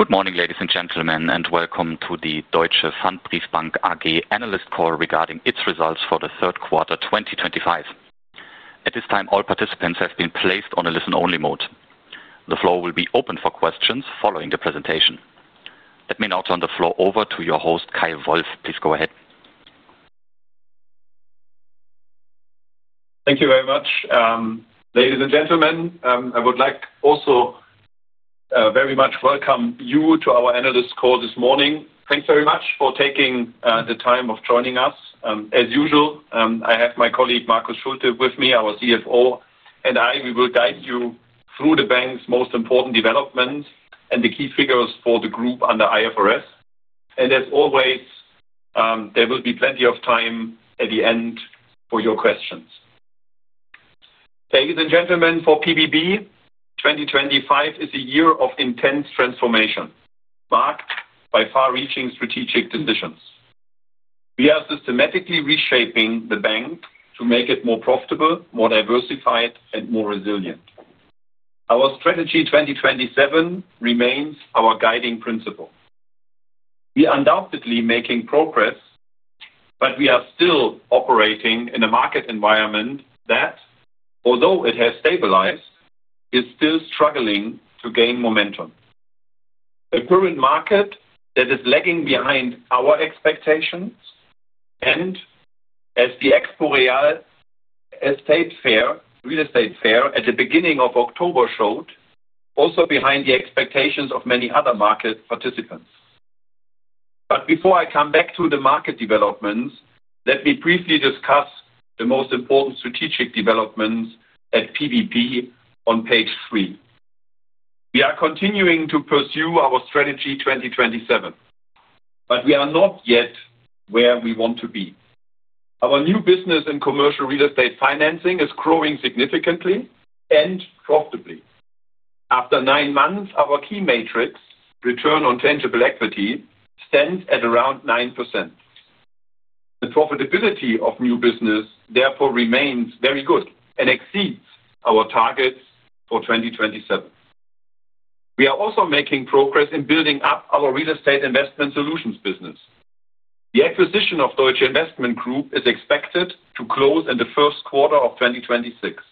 Good morning, ladies and gentlemen, and welcome to the Deutsche Pfandbriefbank AG Analyst Call regarding its results for the third quarter 2025. At this time, all participants have been placed on a listen-only mode. The floor will be open for questions following the presentation. Let me now turn the floor over to your host, Kay Wolf. Please go ahead. Thank you very much. Ladies and gentlemen, I would like also very much to welcome you to our analyst call this morning. Thanks very much for taking the time of joining us. As usual, I have my colleague, Marcus Schulte, with me. Our CFO and I, we will guide you through the bank's most important developments and the key figures for the group under IFRS. As always, there will be plenty of time at the end for your questions. Ladies and gentlemen, for pbb, 2025 is a year of intense transformation, marked by far-reaching strategic decisions. We are systematically reshaping the bank to make it more profitable, more diversified, and more resilient. Our strategy 2027 remains our guiding principle. We are undoubtedly making progress, but we are still operating in a market environment that, although it has stabilized, is still struggling to gain momentum. The current market is lagging behind our expectations, and as the EXPO REAL Estate Fair at the beginning of October showed, also behind the expectations of many other market participants. Before I come back to the market developments, let me briefly discuss the most important strategic developments at pbb on page three. We are continuing to pursue our strategy 2027, but we are not yet where we want to be. Our new business in commercial real estate financing is growing significantly and profitably. After nine months, our key metric, return on tangible equity, stands at around 9%. The profitability of new business, therefore, remains very good and exceeds our targets for 2027. We are also making progress in building up our real estate investment solutions business. The acquisition of Deutsche Investment Group is expected to close in the first quarter of 2026.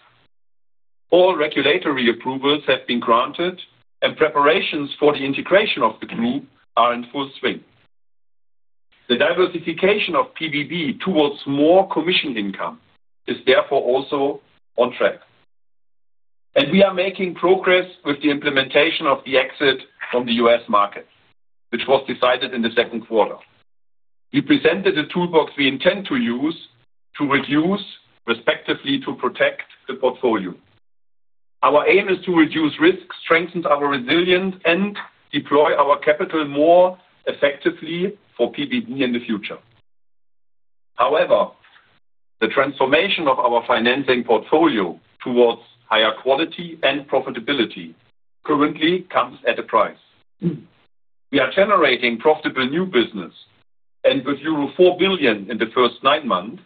All regulatory approvals have been granted, and preparations for the integration of the group are in full swing. The diversification of pbb towards more commission income is therefore also on track. We are making progress with the implementation of the exit from the U.S. market, which was decided in the second quarter. We presented a toolbox we intend to use to reduce, respectively, to protect the portfolio. Our aim is to reduce risks, strengthen our resilience, and deploy our capital more effectively for pbb in the future. However, the transformation of our financing portfolio towards higher quality and profitability currently comes at a price. We are generating profitable new business, and with euro 4 billion in the first nine months,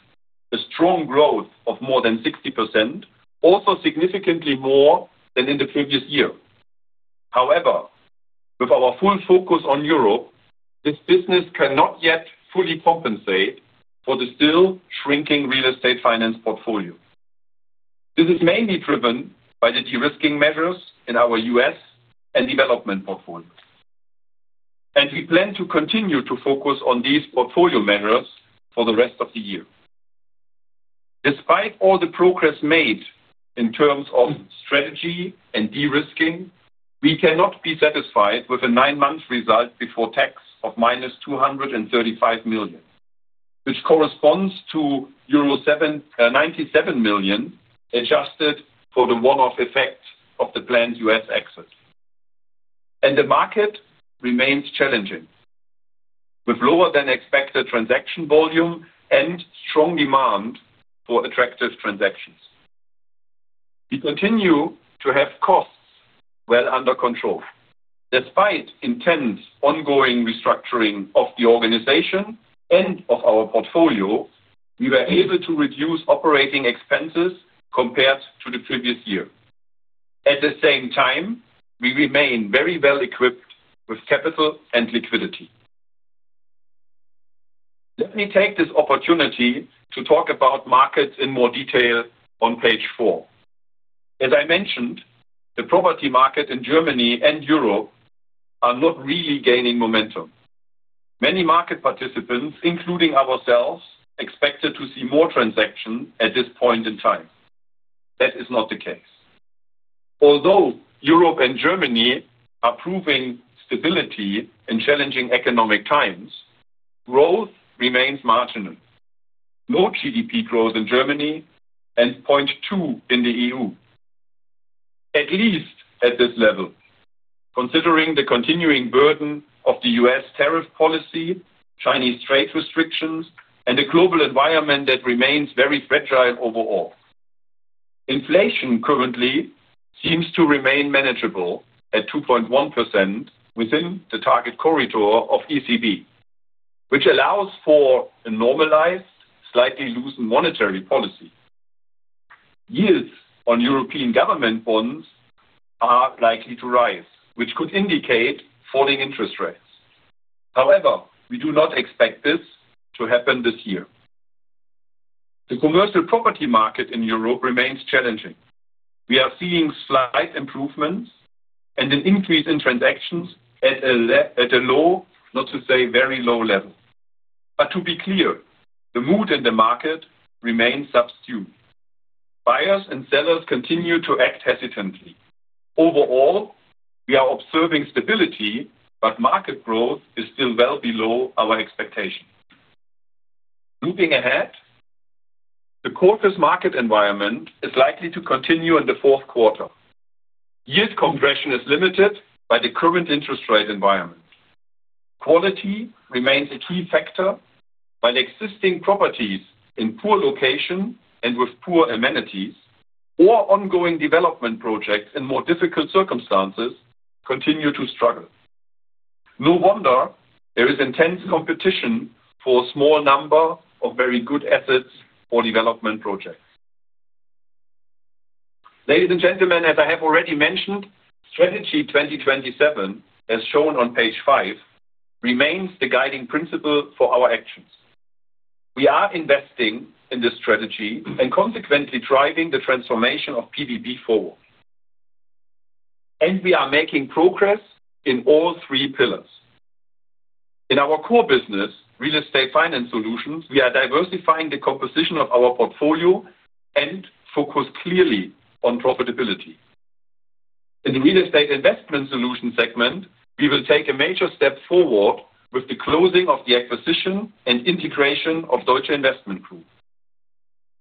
a strong growth of more than 60%, also significantly more than in the previous year. However, with our full focus on Europe, this business cannot yet fully compensate for the still shrinking real estate finance portfolio. This is mainly driven by the de-risking measures in our U.S. and development portfolio. We plan to continue to focus on these portfolio measures for the rest of the year. Despite all the progress made in terms of strategy and de-risking, we cannot be satisfied with a nine-month result before tax of -235 million, which corresponds to euro 97 million adjusted for the one-off effect of the planned U.S. exit. The market remains challenging, with lower-than-expected transaction volume and strong demand for attractive transactions. We continue to have costs well under control. Despite intense ongoing restructuring of the organization and of our portfolio, we were able to reduce operating expenses compared to the previous year. At the same time, we remain very well equipped with capital and liquidity. Let me take this opportunity to talk about markets in more detail on page four. As I mentioned, the property market in Germany and Europe are not really gaining momentum. Many market participants, including ourselves, expected to see more transactions at this point in time. That is not the case. Although Europe and Germany are proving stability in challenging economic times, growth remains marginal. No GDP growth in Germany and 0.2% in the EU, at least at this level, considering the continuing burden of the U.S. tariff policy, Chinese trade restrictions, and the global environment that remains very fragile overall. Inflation currently seems to remain manageable at 2.1% within the target corridor of ECB, which allows for a normalized, slightly loosened monetary policy. Yields on European government bonds are likely to rise, which could indicate falling interest rates. However, we do not expect this to happen this year. The commercial property market in Europe remains challenging. We are seeing slight improvements and an increase in transactions at a low, not to say very low, level. To be clear, the mood in the market remains subdued. Buyers and sellers continue to act hesitantly. Overall, we are observing stability, but market growth is still well below our expectations. Looking ahead, the quarter's market environment is likely to continue in the fourth quarter. Yield compression is limited by the current interest rate environment. Quality remains a key factor, while existing properties in poor location and with poor amenities, or ongoing development projects in more difficult circumstances, continue to struggle. No wonder there is intense competition for a small number of very good assets or development projects. Ladies and gentlemen, as I have already mentioned, Strategy 2027, as shown on page five, remains the guiding principle for our actions. We are investing in this strategy and consequently driving the transformation of pbb forward. We are making progress in all three pillars. In our core business, real estate finance solutions, we are diversifying the composition of our portfolio and focus clearly on profitability. In the real estate investment solution segment, we will take a major step forward with the closing of the acquisition and integration of Deutsche Investment Group.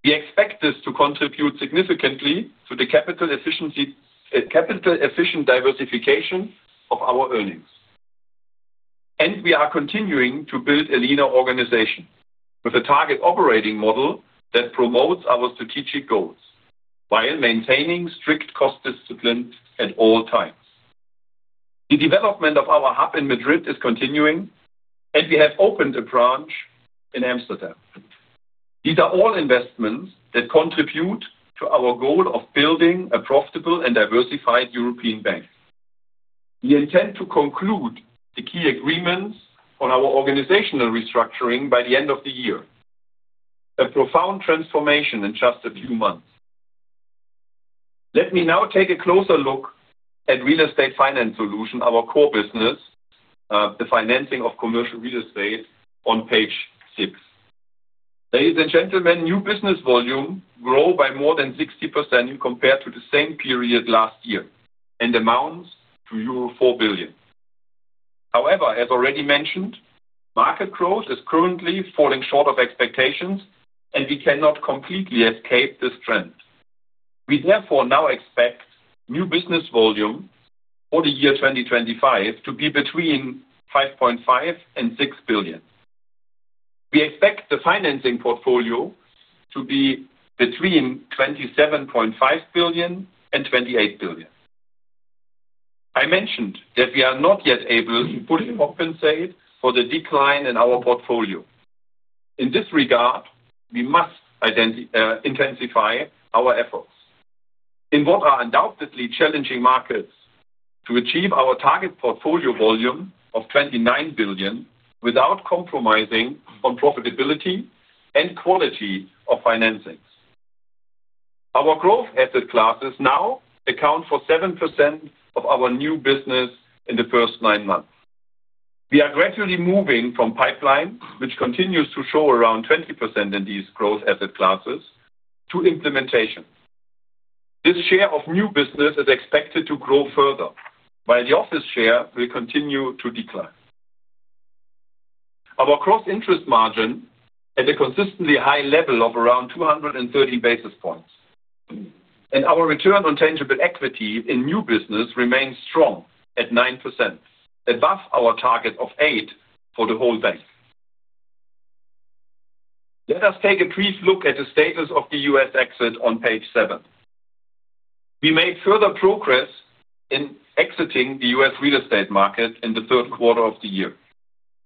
We expect this to contribute significantly to the capital-efficient diversification of our earnings. We are continuing to build a leaner organization with a target operating model that promotes our strategic goals while maintaining strict cost discipline at all times. The development of our hub in Madrid is continuing, and we have opened a branch in Amsterdam. These are all investments that contribute to our goal of building a profitable and diversified European bank. We intend to conclude the key agreements on our organizational restructuring by the end of the year. A profound transformation in just a few months. Let me now take a closer look at real estate finance solution, our core business, the financing of commercial real estate, on page six. Ladies and gentlemen, new business volume grew by more than 60% compared to the same period last year and amounts to euro 4 billion. However, as already mentioned, market growth is currently falling short of expectations, and we cannot completely escape this trend. We therefore now expect new business volume for the year 2025 to be between 5.5 billion and 6 billion. We expect the financing portfolio to be between 27.5 billion and 28 billion. I mentioned that we are not yet able to fully compensate for the decline in our portfolio. In this regard, we must intensify our efforts in what are undoubtedly challenging markets to achieve our target portfolio volume of 29 billion without compromising on profitability and quality of financings. Our growth asset classes now account for 7% of our new business in the first nine months. We are gradually moving from pipeline, which continues to show around 20% in these growth asset classes, to implementation. This share of new business is expected to grow further, while the office share will continue to decline. Our cross-interest margin is at a consistently high level of around 230 basis points, and our return on tangible equity in new business remains strong at 9%, above our target of 8% for the whole bank. Let us take a brief look at the status of the U.S. exit on page seven. We made further progress in exiting the U.S. real estate market in the third quarter of the year.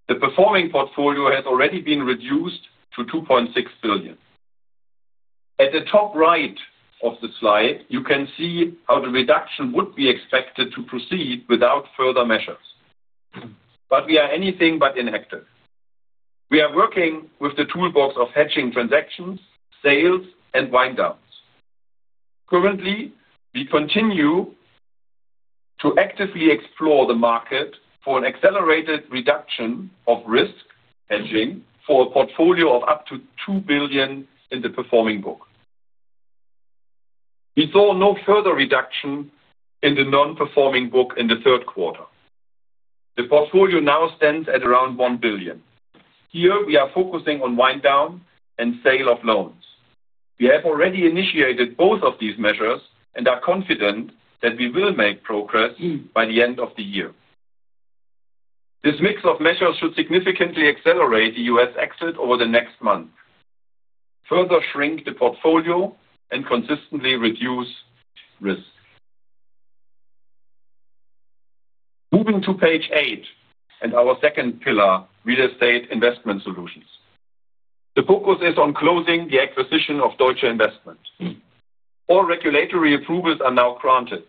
The performing portfolio has already been reduced to 2.6 billion. At the top right of the slide, you can see how the reduction would be expected to proceed without further measures. We are anything but inactive. We are working with the toolbox of hedging transactions, sales, and wind-downs. Currently, we continue to actively explore the market for an accelerated reduction of risk hedging for a portfolio of up to 2 billion in the performing book. We saw no further reduction in the non-performing book in the third quarter. The portfolio now stands at around 1 billion. Here, we are focusing on wind-down and sale of loans. We have already initiated both of these measures and are confident that we will make progress by the end of the year. This mix of measures should significantly accelerate the U.S. exit over the next month, further shrink the portfolio, and consistently reduce risk. Moving to page eight and our second pillar, real estate investment solutions. The focus is on closing the acquisition of Deutsche Investment. All regulatory approvals are now granted.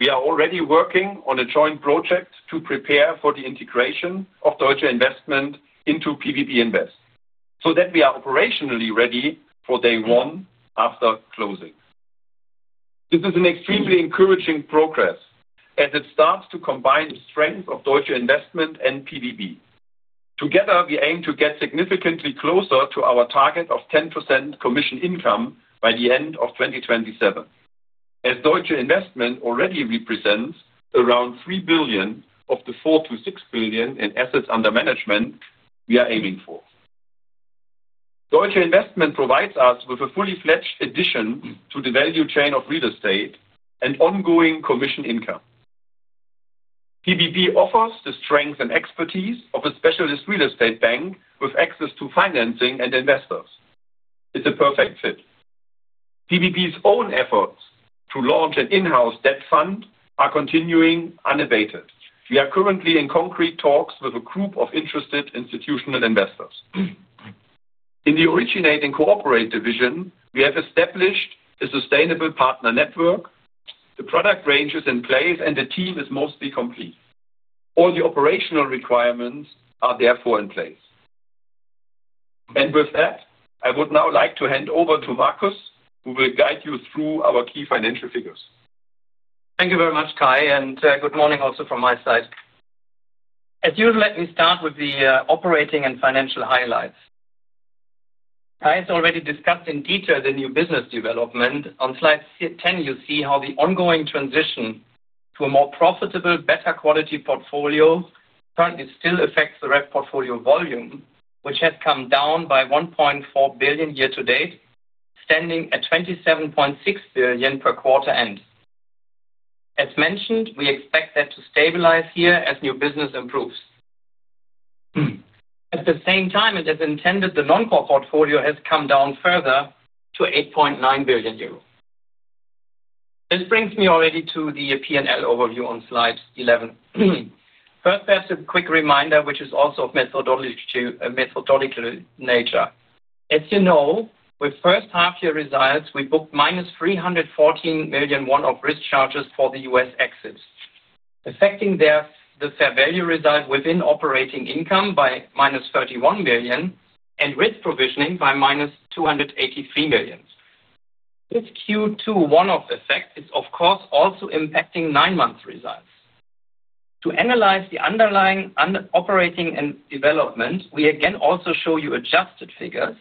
We are already working on a joint project to prepare for the integration of Deutsche Investment into pbb invest, so that we are operationally ready for day one after closing. This is an extremely encouraging progress as it starts to combine the strength of Deutsche Investment and pbb. Together, we aim to get significantly closer to our target of 10% commission income by the end of 2027, as Deutsche Investment already represents around 3 billion of the 4 billion-6 billion in assets under management we are aiming for. Deutsche Investment provides us with a fully fledged addition to the value chain of real estate and ongoing commission income. pbb offers the strength and expertise of a specialist real estate bank with access to financing and investors. It is a perfect fit. pbb's own efforts to launch an in-house debt fund are continuing unabated. We are currently in concrete talks with a group of interested institutional investors. In the originating cooperate division, we have established a sustainable partner network. The product range is in place, and the team is mostly complete. All the operational requirements are therefore in place. I would now like to hand over to Marcus, who will guide you through our key financial figures. Thank you very much, Kay, and good morning also from my side. As usual, let me start with the operating and financial highlights. Kay has already discussed in detail the new business development. On slide 10, you see how the ongoing transition to a more profitable, better quality portfolio currently still affects the rep portfolio volume, which has come down by 1.4 billion year to date, standing at 27.6 billion per quarter end. As mentioned, we expect that to stabilize here as new business improves. At the same time, it is intended the non-core portfolio has come down further to 8.9 billion euro. This brings me already to the P&L overview on slide 11. First, perhaps a quick reminder, which is also of methodological nature. As you know, with first half-year results, we booked EUR -314 million one-off risk charges for the U.S. exit, affecting the fair value result within operating income by -31 million and risk provisioning by -283 million. This Q2 one-off effect is, of course, also impacting nine-month results. To analyze the underlying operating and development, we again also show you adjusted figures,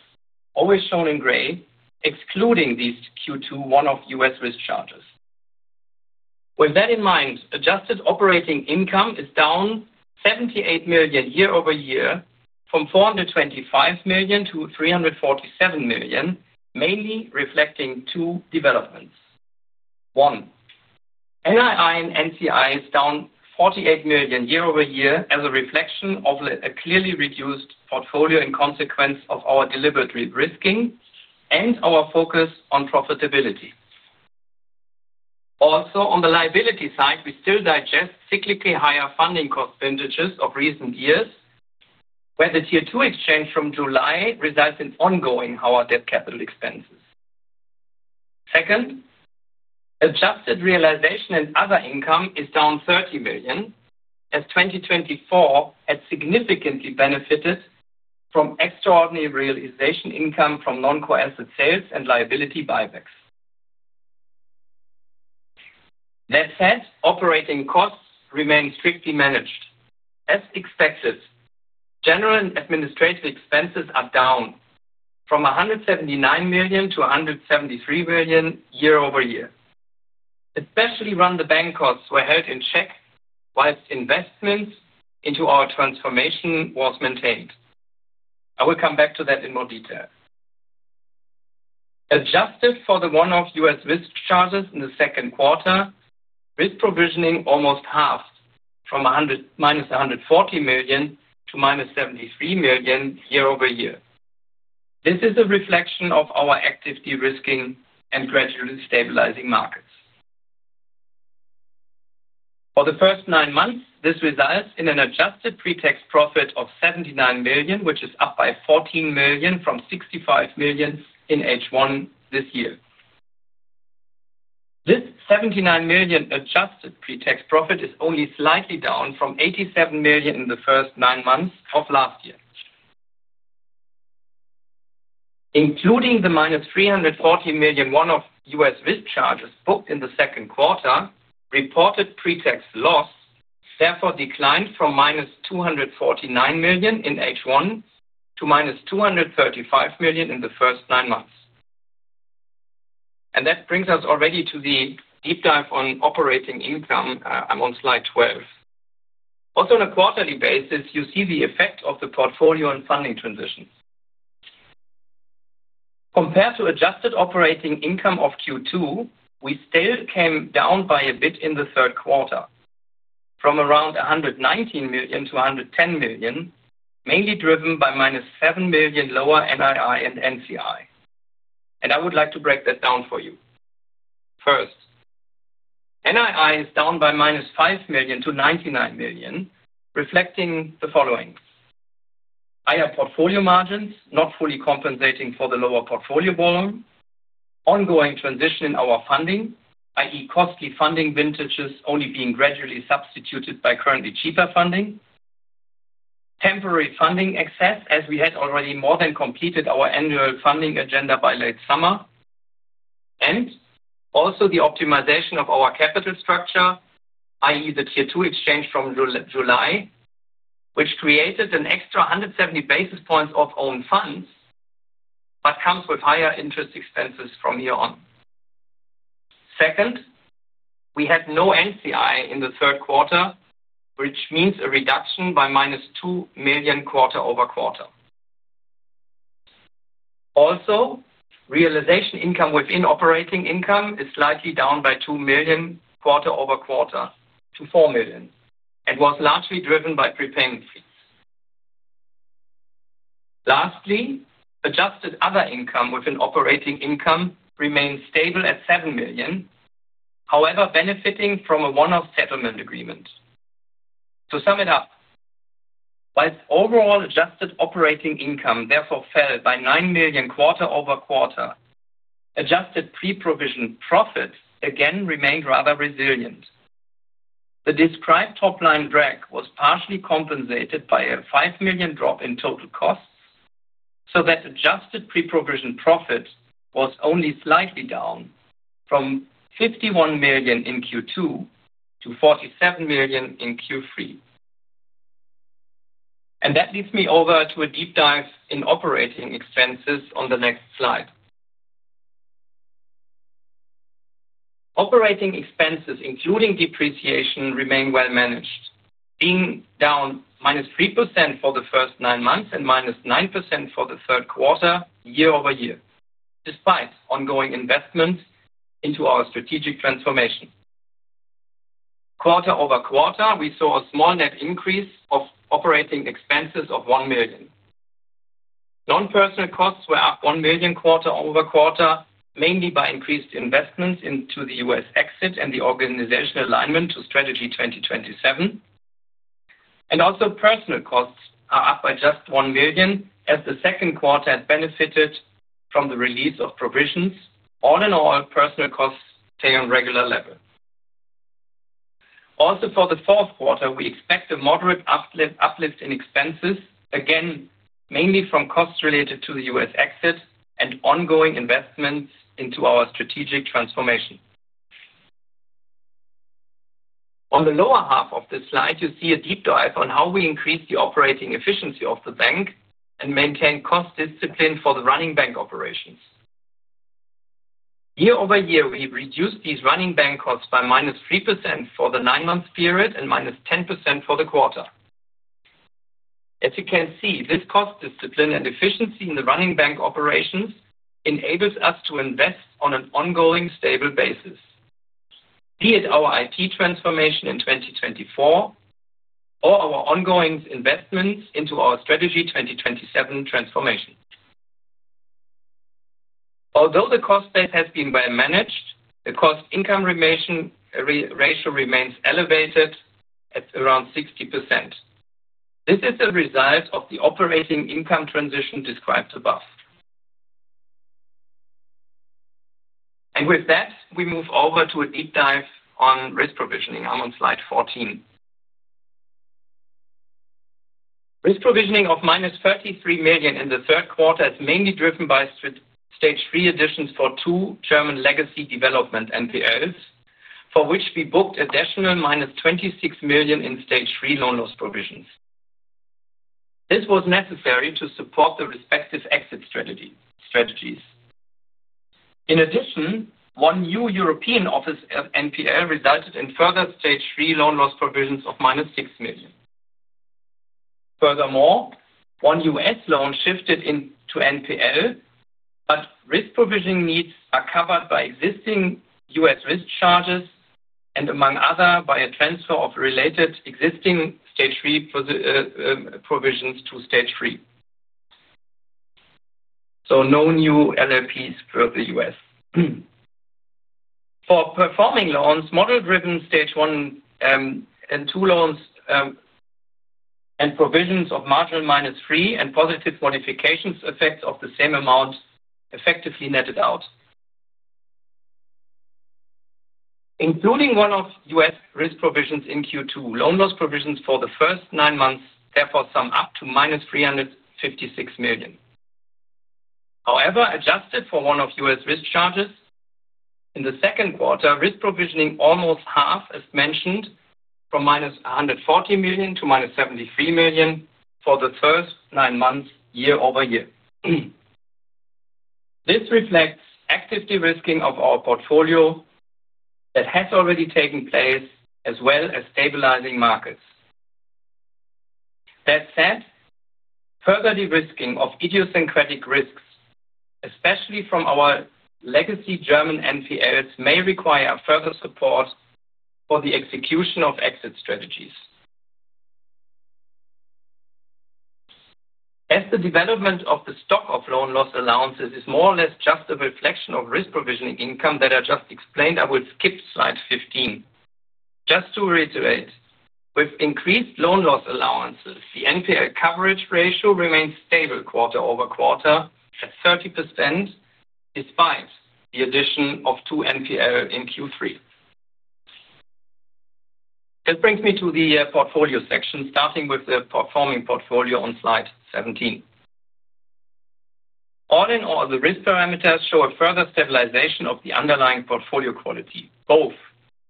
always shown in gray, excluding these Q2 one-off U.S. risk charges. With that in mind, adjusted operating income is down 78 million year over year, from 425 million-347 million, mainly reflecting two developments. One, NII and NCI is down 48 million year over year as a reflection of a clearly reduced portfolio in consequence of our deliberate de-risking and our focus on profitability. Also, on the liability side, we still digest cyclically higher funding cost vintages of recent years, where the Tier 2 exchange from July results in ongoing our debt capital expenses. Second, adjusted realization and other income is down 30 million, as 2024 had significantly benefited from extraordinary realization income from non-core asset sales and liability buybacks. That said, operating costs remain strictly managed. As expected, general and administrative expenses are down from 179 million-173 million year over year. Especially run the bank costs were held in check, while investments into our transformation were maintained. I will come back to that in more detail. Adjusted for the one-off U.S. risk charges in the second quarter, risk provisioning almost halved from -140 million to -73 million year over year. This is a reflection of our active de-risking and gradually stabilizing markets. For the first nine months, this results in an adjusted pre-tax profit of 79 million, which is up by 14 million from 65 million in H1 this year. This 79 million adjusted pre-tax profit is only slightly down from 87 million in the first nine months of last year. Including the -340 million one-off U.S. risk charges booked in the second quarter, reported pre-tax loss therefore declined from -249 million in H1 to -235 million in the first nine months. That brings us already to the deep dive on operating income. I'm on slide 12. Also, on a quarterly basis, you see the effect of the portfolio and funding transitions. Compared to adjusted operating income of Q2, we still came down by a bit in the third quarter, from around 119 million-110 million, mainly driven by -7 million lower NII and NCI. I would like to break that down for you. First, NII is down by -5 million-99 million, reflecting the following: higher portfolio margins, not fully compensating for the lower portfolio volume; ongoing transition in our funding, i.e., costly funding vintages only being gradually substituted by currently cheaper funding; temporary funding excess, as we had already more than completed our annual funding agenda by late summer; and also the optimization of our capital structure, i.e., the Tier 2 exchange from July, which created an extra 170 basis points of own funds but comes with higher interest expenses from here on. Second, we had no NCI in the third quarter, which means a reduction by -2 million quarter over quarter. Also, realization income within operating income is slightly down by 2 million quarter over quarter to 4 million and was largely driven by prepayment fees. Lastly, adjusted other income within operating income remained stable at 7 million, however benefiting from a one-off settlement agreement. To sum it up, while overall adjusted operating income therefore fell by 9 million quarter over quarter, adjusted pre-provision profit again remained rather resilient. The described top-line drag was partially compensated by a 5 million drop in total costs, so that adjusted pre-provision profit was only slightly down from 51 million in Q2 to 47 million in Q3. That leads me over to a deep dive in operating expenses on the next slide. Operating expenses, including depreciation, remain well managed, being down -3% for the first nine months and -9% for the third quarter year over year, despite ongoing investments into our strategic transformation. Quarter over quarter, we saw a small net increase of operating expenses of 1 million. Non-personal costs were up 1 million quarter over quarter, mainly by increased investments into the U.S. exit and the organizational alignment to strategy 2027. Also, personal costs are up by just 1 million, as the second quarter had benefited from the release of provisions. All in all, personal costs stay on a regular level. For the fourth quarter, we expect a moderate uplift in expenses, again mainly from costs related to the U.S. exit and ongoing investments into our strategic transformation. On the lower half of this slide, you see a deep dive on how we increase the operating efficiency of the bank and maintain cost discipline for the running bank operations. Year over year, we reduced these running bank costs by -3% for the nine-month period and -10% for the quarter. As you can see, this cost discipline and efficiency in the running bank operations enables us to invest on an ongoing stable basis, be it our IT transformation in 2024 or our ongoing investments into our strategy 2027 transformation. Although the cost base has been well managed, the cost-income ratio remains elevated at around 60%. This is a result of the operating income transition described above. With that, we move over to a deep dive on risk provisioning. I'm on slide 14. Risk provisioning of -33 million in the third quarter is mainly driven by stage three additions for two German legacy development NPLs, for which we booked additional -26 million in stage three loan loss provisions. This was necessary to support the respective exit strategies. In addition, one new European office NPL resulted in further stage three loan loss provisions of -6 million. Furthermore, one U.S. loan shifted into NPL, but risk provisioning needs are covered by existing U.S. risk charges and, among others, by a transfer of related existing stage three provisions to stage three. No new LLPs for the U.S. For performing loans, model-driven stage one and two loans and provisions of marginal minus three and positive modifications effects of the same amount effectively netted out. Including one-off U.S. risk provisions in Q2, loan loss provisions for the first nine months therefore sum up to -356 million. However, adjusted for one-off U.S. risk charges in the second quarter, risk provisioning almost halved, as mentioned, from -140 million--73 million for the first nine months year over year. This reflects active de-risking of our portfolio that has already taken place, as well as stabilizing markets. That said, further de-risking of idiosyncratic risks, especially from our legacy German NPLs, may require further support for the execution of exit strategies. As the development of the stock of loan loss allowances is more or less just a reflection of risk provisioning income that I just explained, I will skip slide 15. Just to reiterate, with increased loan loss allowances, the NPL coverage ratio remains stable quarter over quarter at 30%, despite the addition of two NPL in Q3. This brings me to the portfolio section, starting with the performing portfolio on slide 17. All in all, the risk parameters show a further stabilization of the underlying portfolio quality, both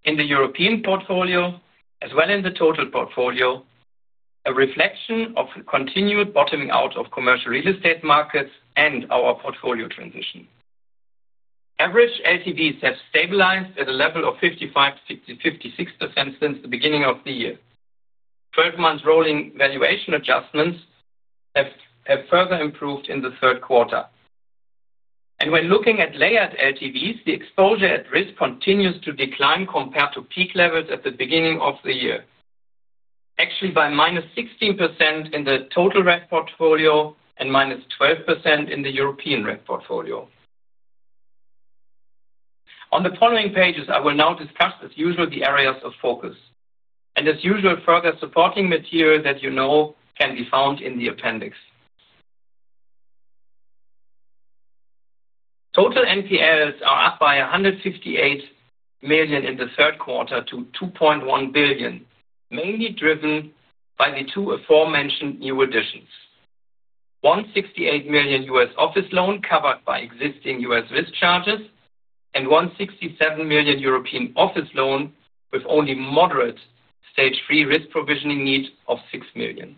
in the European portfolio as well as in the total portfolio, a reflection of continued bottoming out of commercial real estate markets and our portfolio transition. Average LTVs have stabilized at a level of 55%-56% since the beginning of the year. Twelve-month rolling valuation adjustments have further improved in the third quarter. When looking at layered LTVs, the exposure at risk continues to decline compared to peak levels at the beginning of the year, actually by -16% in the total rep portfolio and -12% in the European rep portfolio. On the following pages, I will now discuss, as usual, the areas of focus. Further supporting material that you know can be found in the appendix. Total NPLs are up by 158 million in the third quarter to 2.1 billion, mainly driven by the two aforementioned new additions: 168 million U.S. office loan covered by existing U.S. risk charges and 167 million European office loan with only moderate stage three risk provisioning need of 6 million.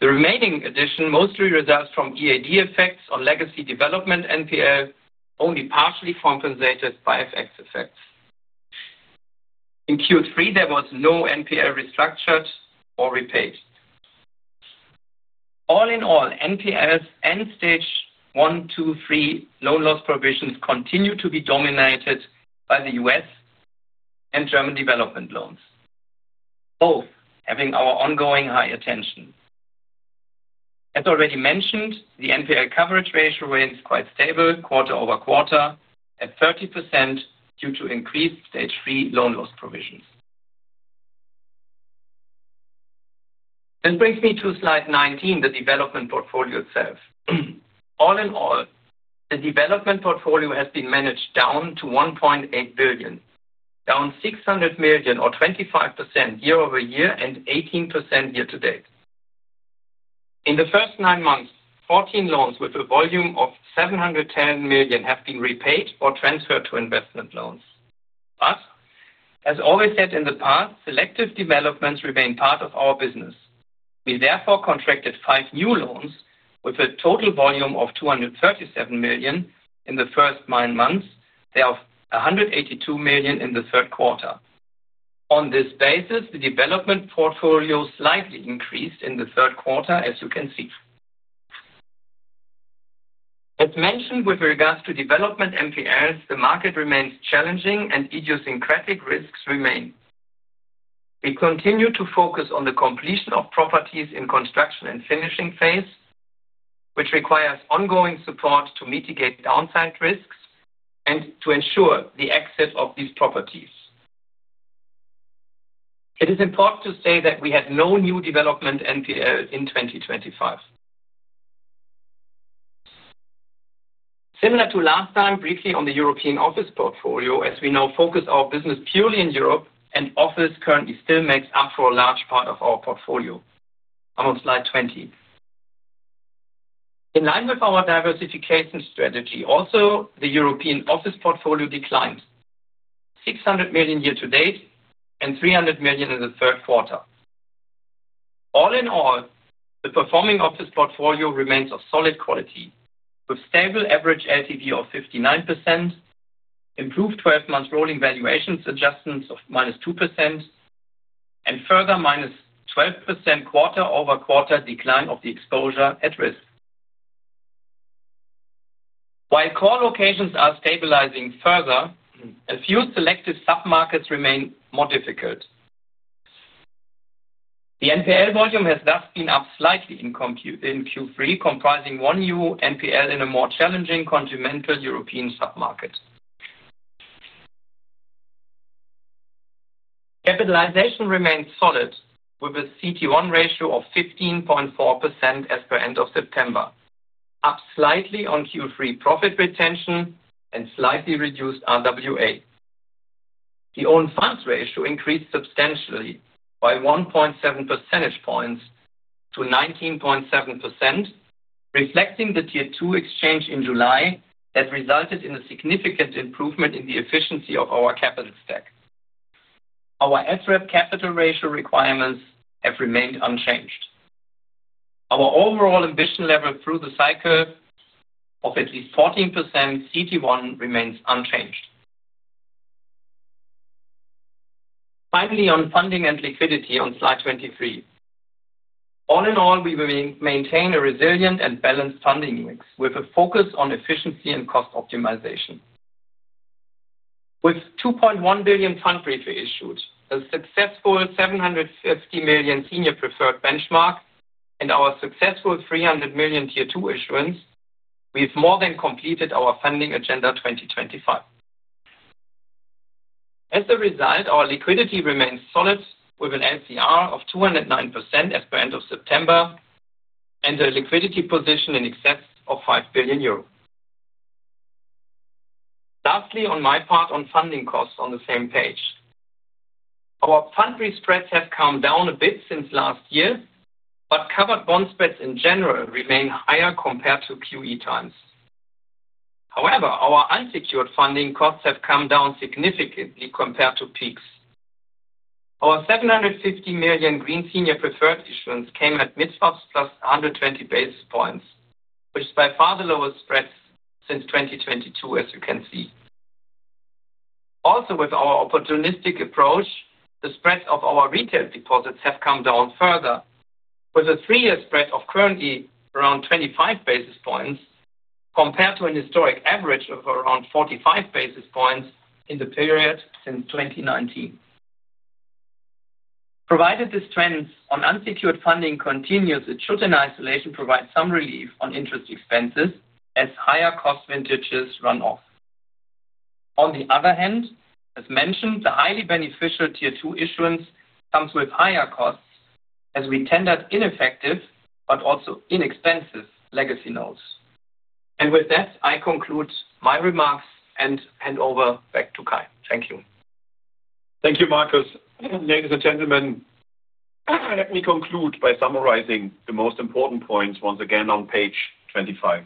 The remaining addition mostly results from EaD effects on legacy development NPL, only partially compensated by FX effects. In Q3, there was no NPL restructured or repaid. All in all, NPLs and stage one, two, three loan loss provisions continue to be dominated by the U.S. and German development loans, both having our ongoing high attention. As already mentioned, the NPL coverage ratio remains quite stable quarter over quarter at 30% due to increased stage three loan loss provisions. This brings me to slide 19, the development portfolio itself. All in all, the development portfolio has been managed down to 1.8 billion, down 600 million or 25% year over year and 18% year to date. In the first nine months, 14 loans with a volume of 710 million have been repaid or transferred to investment loans. As always said in the past, selective developments remain part of our business. We therefore contracted five new loans with a total volume of 237 million in the first nine months. They are 182 million in the third quarter. On this basis, the development portfolio slightly increased in the third quarter, as you can see. As mentioned with regards to development NPLs, the market remains challenging and idiosyncratic risks remain. We continue to focus on the completion of properties in construction and finishing phase, which requires ongoing support to mitigate downside risks and to ensure the exit of these properties. It is important to say that we had no new development NPL in 2025. Similar to last time, briefly on the European office portfolio, as we now focus our business purely in Europe, and office currently still makes up for a large part of our portfolio. I'm on slide 20. In line with our diversification strategy, also, the European office portfolio declined 600 million year to date and 300 million in the third quarter. All in all, the performing office portfolio remains of solid quality, with stable average LTV of 59%, improved 12-month rolling valuations adjustments of -2%, and further -12% quarter over quarter decline of the exposure at risk. While core locations are stabilizing further, a few selective sub-markets remain more difficult. The NPL volume has thus been up slightly in Q3, comprising one new NPL in a more challenging continental European sub-market. Capitalization remains solid with a CET1 ratio of 15.4% as per end of September, up slightly on Q3 profit retention and slightly reduced RWA. The own funds ratio increased substantially by 1.7 percentage points to 19.7%, reflecting the Tier 2 exchange in July that resulted in a significant improvement in the efficiency of our capital stack. Our SREP capital ratio requirements have remained unchanged. Our overall ambition level through the cycle of at least 14% CET1 remains unchanged. Finally, on funding and liquidity on slide 23. All in all, we maintain a resilient and balanced funding mix with a focus on efficiency and cost optimization. With 2.1 billion Pfandbriefe issued, a successful 750 million Senior Preferred benchmark, and our successful 300 million Tier 2 issuance, we've more than completed our funding agenda 2025. As a result, our liquidity remains solid with an LCR of 209% as per end of September and a liquidity position in excess of 5 billion euros. Lastly, on my part, on funding costs on the same page. Our Pfandbriefe spreads have come down a bit since last year, but covered bond spreads in general remain higher compared to QE times. However, our unsecured funding costs have come down significantly compared to peaks. Our 750 million Green Senior Preferred issuance came at MS +120 basis points, which is by far the lowest spreads since 2022, as you can see. Also, with our opportunistic approach, the spreads of our retail deposits have come down further, with a three-year spread of currently around 25 basis points compared to a historic average of around 45 basis points in the period since 2019. Provided the strength on unsecured funding continues, it should in isolation provide some relief on interest expenses as higher cost vintages run off. On the other hand, as mentioned, the highly beneficial Tier 2 issuance comes with higher costs as we tendered ineffective but also inexpensive legacy notes. With that, I conclude my remarks and hand over back to Kay. Thank you. Thank you, Marcus. Ladies and gentlemen, let me conclude by summarizing the most important points once again on page 25.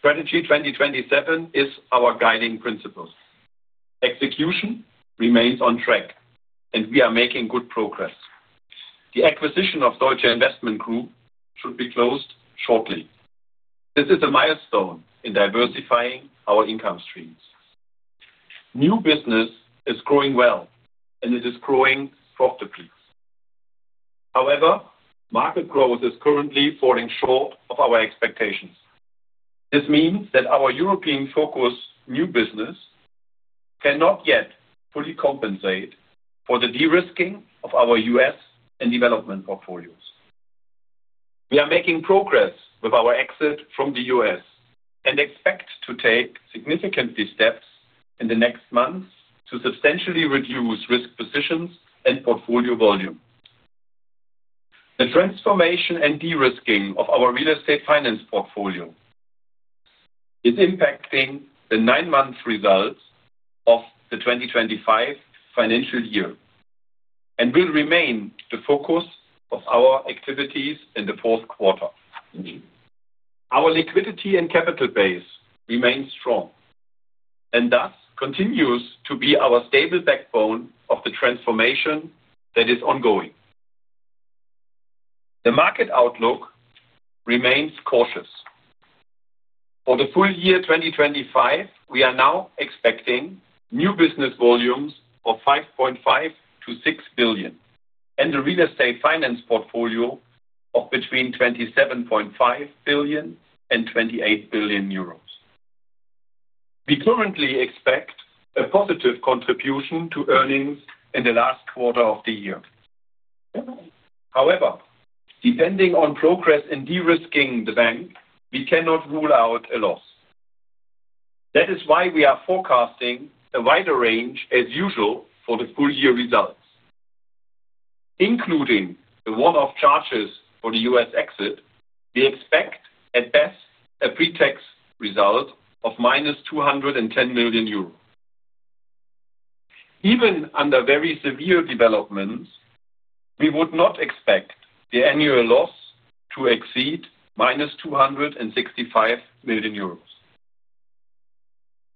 Strategy 2027 is our guiding principles. Execution remains on track, and we are making good progress. The acquisition of Deutsche Investment Group should be closed shortly. This is a milestone in diversifying our income streams. New business is growing well, and it is growing profitably. However, market growth is currently falling short of our expectations. This means that our European focus new business cannot yet fully compensate for the de-risking of our U.S. and development portfolios. We are making progress with our exit from the U.S. and expect to take significant steps in the next months to substantially reduce risk positions and portfolio volume. The transformation and de-risking of our real estate finance portfolio is impacting the nine-month results of the 2025 financial year and will remain the focus of our activities in the fourth quarter. Our liquidity and capital base remains strong and thus continues to be our stable backbone of the transformation that is ongoing. The market outlook remains cautious. For the full year 2025, we are now expecting new business volumes of 5.5 billion-6 billion and a real estate finance portfolio of between 27.5 billion and 28 billion euros. We currently expect a positive contribution to earnings in the last quarter of the year. However, depending on progress in de-risking the bank, we cannot rule out a loss. That is why we are forecasting a wider range as usual for the full year results, including the one-off charges for the U.S. exit. We expect at best a pre-tax result of -210 million euros. Even under very severe developments, we would not expect the annual loss to exceed -265 million euros.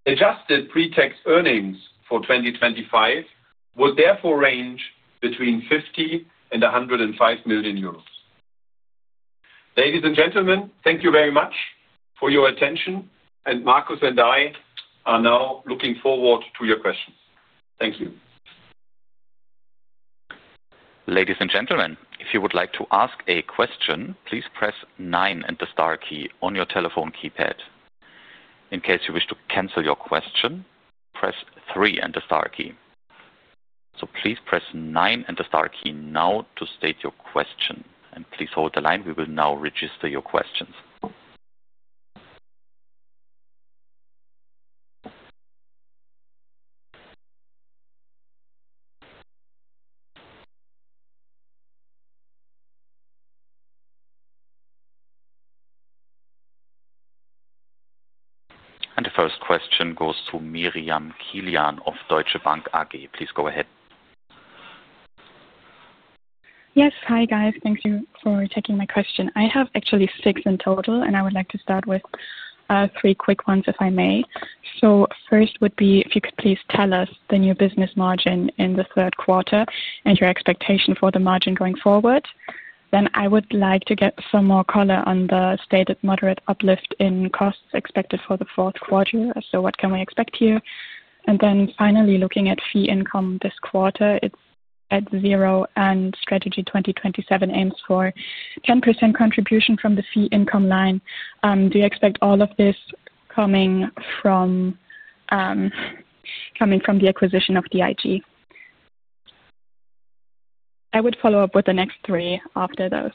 Adjusted pre-tax earnings for 2025 would therefore range between 50 million and 105 million euros. Ladies and gentlemen, thank you very much for your attention, and Marcus and I are now looking forward to your questions. Thank you. Ladies and gentlemen, if you would like to ask a question, please press nine and the star key on your telephone keypad. In case you wish to cancel your question, press three and the star key. Please press nine and the star key now to state your question, and please hold the line. We will now register your questions. The first question goes to Miriam Killian of Deutsche Bank AG. Please go ahead. Yes, hi guys. Thank you for taking my question. I have actually six in total, and I would like to start with three quick ones if I may. First would be if you could please tell us the new business margin in the third quarter and your expectation for the margin going forward. I would like to get some more color on the stated moderate uplift in costs expected for the fourth quarter. What can we expect here? Finally, looking at fee income this quarter, it is at zero, and strategy 2027 aims for 10% contribution from the fee income line. Do you expect all of this coming from the acquisition of DIG? I would follow up with the next three after those.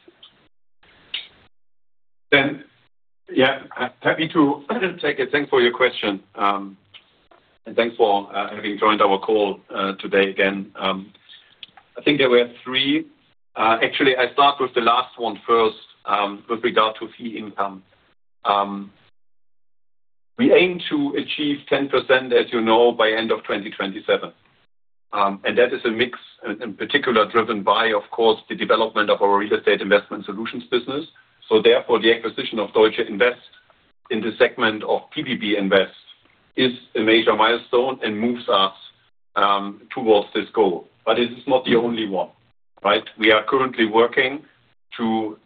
Happy to take a thank for your question and thanks for having joined our call today again. I think there were three. Actually, I start with the last one first with regard to fee income. We aim to achieve 10% as you know, by end of 2027, and that is a mix in particular driven by, of course, the development of our real estate investment solutions business. Therefore, the acquisition of Deutsche Invest the segment of pbb invest is a major milestone and moves us towards this goal. This is not the only one, right? We are currently working to,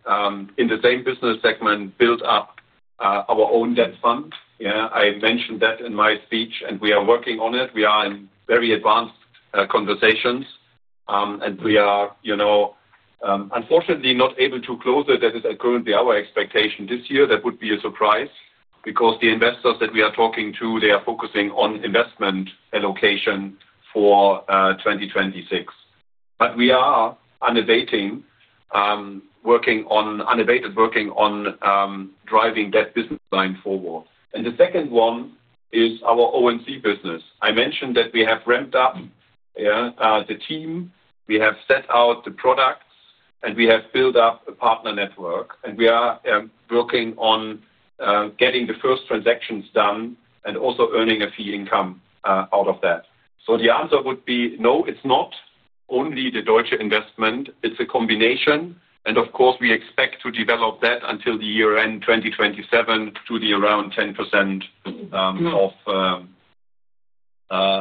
in the same business segment, build up our own debt fund. Yeah, I mentioned that in my speech, and we are working on it. We are in very advanced conversations, and we are, unfortunately, not able to close it. That is currently our expectation this year. That would be a surprise because the investors that we are talking to, they are focusing on investment allocation for 2026. We are unabated working on driving that business line forward. The second one is our O&C business. I mentioned that we have ramped up the team. We have set out the products, and we have built up a partner network, and we are working on getting the first transactions done and also earning a fee income out of that. The answer would be, no, it is not only the Deutsche Investment. It is a combination. Of course, we expect to develop that until the year end 2027 to be around 10%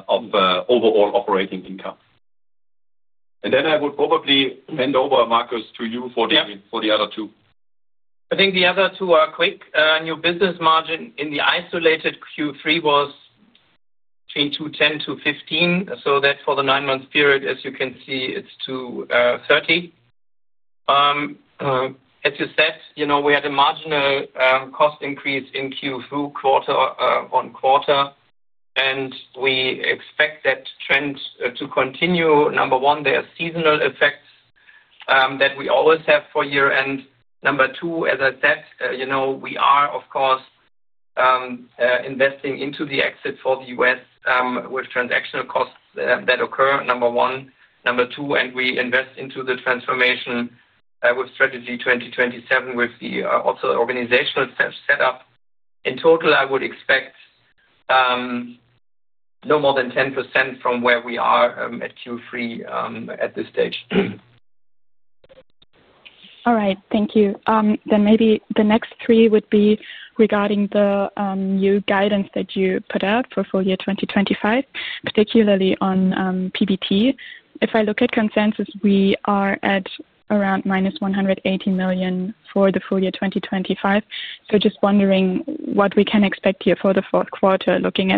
of overall operating income. I would probably hand over, Marcus, to you for the other two. I think the other two are quick. New business margin in the isolated Q3 was between 210 basis points-215 basis points. For the nine-month period, as you can see, it is 230 basis points. As you said, we had a marginal cost increase in Q2 quarter on quarter, and we expect that trend to continue. Number one, there are seasonal effects that we always have for year-end. Number two, as I said, we are, of course, investing into the exit for the U.S. with transactional costs that occur. Number one. Number two, and we invest into the transformation with strategy 2027 with the also organizational setup. In total, I would expect no more than 10% from where we are at Q3 at this stage. All right. Thank you. Maybe the next three would be regarding the new guidance that you put out for full year 2025, particularly on PBT. If I look at consensus, we are at around -180 million for the full year 2025. Just wondering what we can expect here for the fourth quarter, looking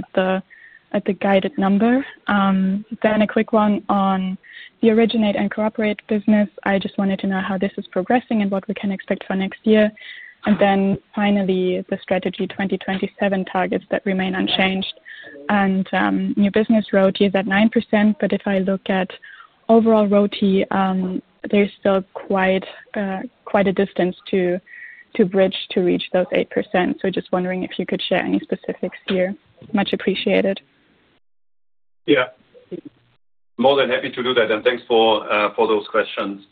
at the guided number. Then a quick one on the originate and cooperate business. I just wanted to know how this is progressing and what we can expect for next year. Finally, the strategy 2027 targets that remain unchanged. New business RoTE is at 9%, but if I look at overall RoTE, there is still quite a distance to bridge to reach those 8%. Just wondering if you could share any specifics here. Much appreciated. Yeah. More than happy to do that, and thanks for those questions.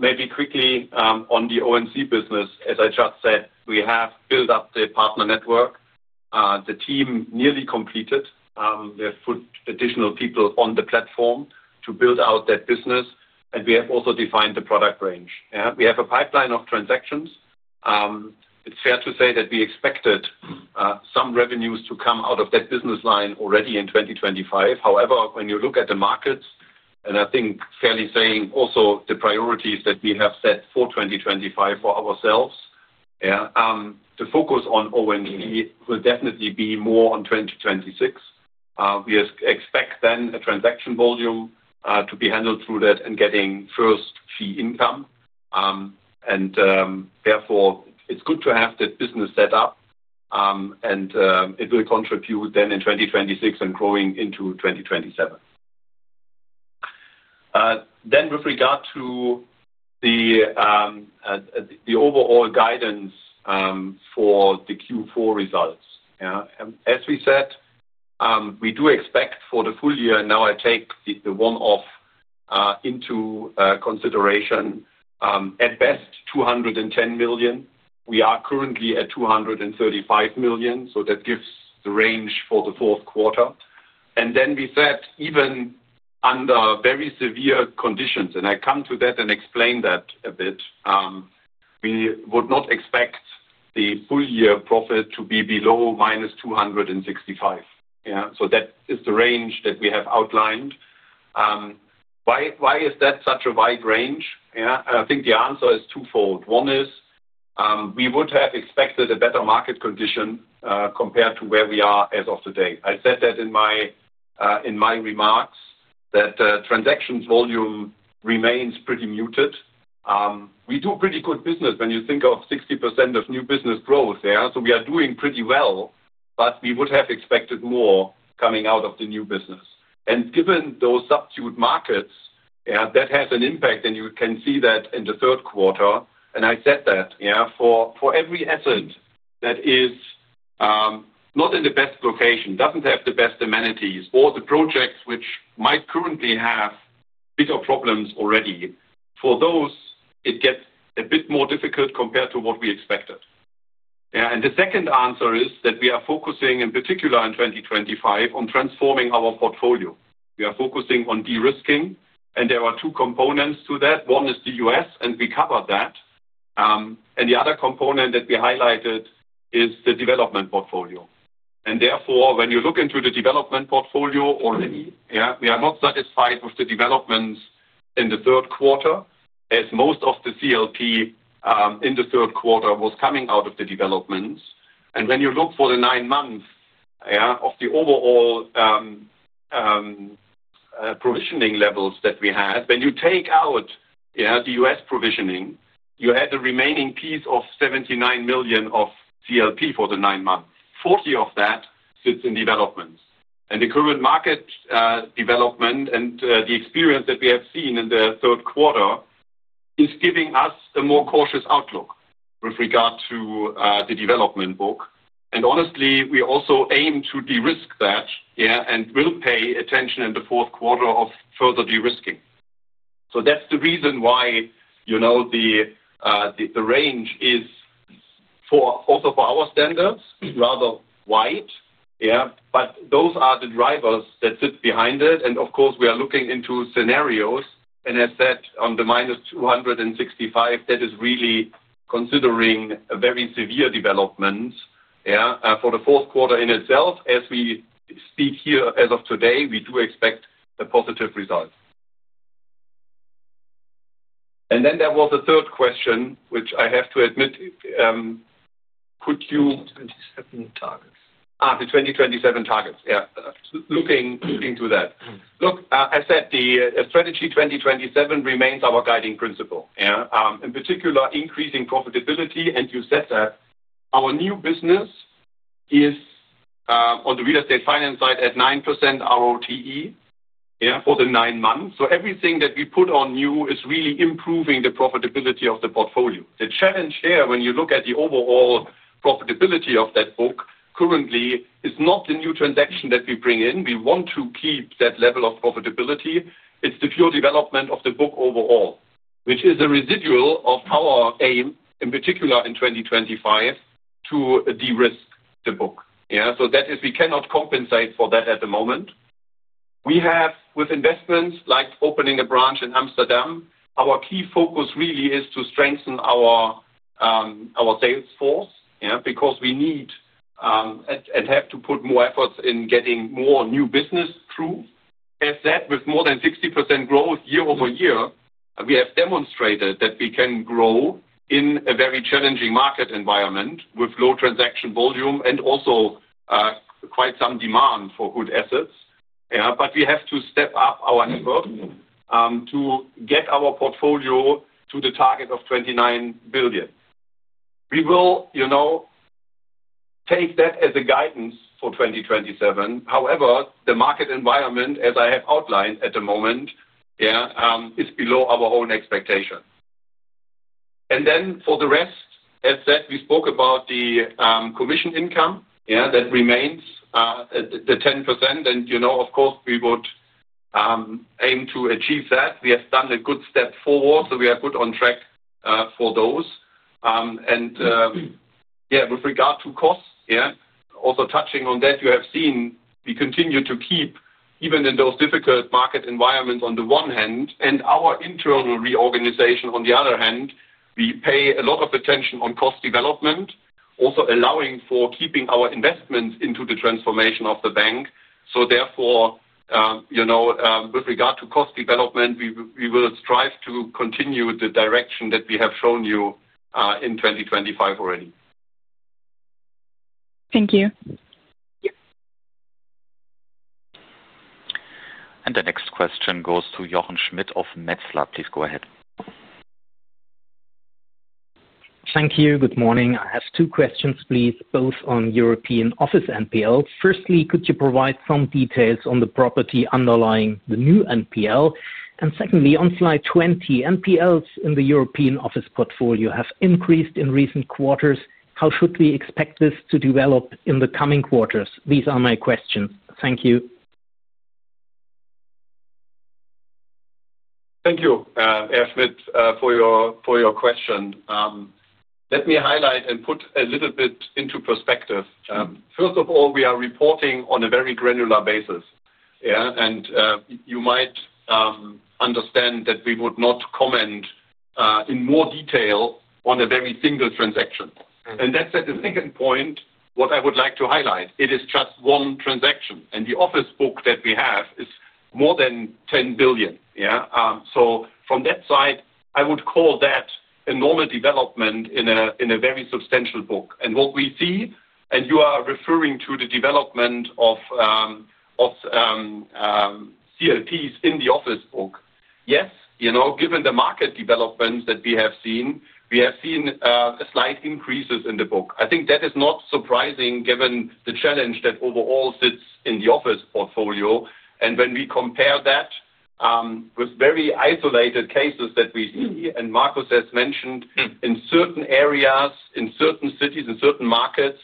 Maybe quickly on the O&C business, as I just said, we have built up the partner network. The team nearly completed. They have put additional people on the platform to build out that business, and we have also defined the product range. We have a pipeline of transactions. It's fair to say that we expected some revenues to come out of that business line already in 2025. However, when you look at the markets, and I think fairly saying also the priorities that we have set for 2025 for ourselves, the focus on O&C will definitely be more on 2026. We expect then a transaction volume to be handled through that and getting first fee income. Therefore, it's good to have that business set up, and it will contribute then in 2026 and growing into 2027. With regard to the overall guidance for the Q4 results, as we said, we do expect for the full year, and now I take the one-off into consideration, at best 210 million. We are currently at 235 million, so that gives the range for the fourth quarter. Then we said even under very severe conditions, and I come to that and explain that a bit, we would not expect the full year profit to be below -265 million. That is the range that we have outlined. Why is that such a wide range? I think the answer is twofold. One is we would have expected a better market condition compared to where we are as of today. I said that in my remarks that transactions volume remains pretty muted. We do pretty good business when you think of 60% of new business growth. We are doing pretty well, but we would have expected more coming out of the new business. Given those subdued markets, that has an impact, and you can see that in the third quarter. I said that for every asset that is not in the best location, does not have the best amenities, or the projects which might currently have bigger problems already, for those, it gets a bit more difficult compared to what we expected. The second answer is that we are focusing, in particular in 2025, on transforming our portfolio. We are focusing on de-risking, and there are two components to that. One is the U.S., and we covered that. The other component that we highlighted is the development portfolio. Therefore, when you look into the development portfolio already, we are not satisfied with the developments in the third quarter, as most of the CLP in the third quarter was coming out of the developments. When you look for the nine months of the overall provisioning levels that we had, when you take out the U.S. provisioning, you had the remaining piece of EUR 79 million of CLP for the nine months. 40 million of that sits in developments. The current market development and the experience that we have seen in the third quarter is giving us a more cautious outlook with regard to the development book. Honestly, we also aim to de-risk that and will pay attention in the fourth quarter to further de-risking. That is the reason why the range is also, for our standards, rather wide. Those are the drivers that sit behind it. Of course, we are looking into scenarios. As said, on the -265 million, that is really considering a very severe development for the fourth quarter in itself. As we speak here, as of today, we do expect a positive result. There was a third question, which I have to admit. Could you 2027 targets? The 2027 targets, yeah. Looking to that. I said the strategy 2027 remains our guiding principle. In particular, increasing profitability. You said that our new business is on the real estate finance side at 9% RoTE for the nine months. Everything that we put on new is really improving the profitability of the portfolio. The challenge here, when you look at the overall profitability of that book, currently is not the new transaction that we bring in. We want to keep that level of profitability. It is the pure development of the book overall, which is a residual of our aim, in particular in 2025, to de-risk the book. That is, we cannot compensate for that at the moment. We have, with investments like opening a branch in Amsterdam, our key focus really is to strengthen our sales force because we need and have to put more efforts in getting more new business through. As said, with more than 60% growth year over year, we have demonstrated that we can grow in a very challenging market environment with low transaction volume and also quite some demand for good assets. We have to step up our effort to get our portfolio to the target of 29 billion. We will take that as a guidance for 2027. However, the market environment, as I have outlined at the moment, is below our own expectation. For the rest, as said, we spoke about the commission income that remains at the 10%. Of course, we would aim to achieve that. We have done a good step forward, so we are good on track for those. Yeah, with regard to costs, also touching on that, you have seen we continue to keep, even in those difficult market environments on the one hand, and our internal reorganization on the other hand, we pay a lot of attention on cost development, also allowing for keeping our investments into the transformation of the bank. Therefore, with regard to cost development, we will strive to continue the direction that we have shown you in 2025 already. Thank you. The next question goes to Jochen Schmitt of Metzler. Please go ahead. Thank you. Good morning. I have two questions, please, both on European office NPLs. Firstly, could you provide some details on the property underlying the new NPL? Secondly, on slide 20, NPLs in the European office portfolio have increased in recent quarters. How should we expect this to develop in the coming quarters? These are my questions. Thank you. Thank you, Schmitt, for your question. Let me highlight and put a little bit into perspective. First of all, we are reporting on a very granular basis. You might understand that we would not comment in more detail on a very single transaction. That is the second point I would like to highlight. It is just one transaction. The office book that we have is more than 10 billion. From that side, I would call that a normal development in a very substantial book. What we see, and you are referring to the development of CLPs in the office book, yes, given the market developments that we have seen, we have seen slight increases in the book. I think that is not surprising given the challenge that overall sits in the office portfolio. When we compare that with very isolated cases that we see, and Marcus has mentioned, in certain areas, in certain cities, in certain markets,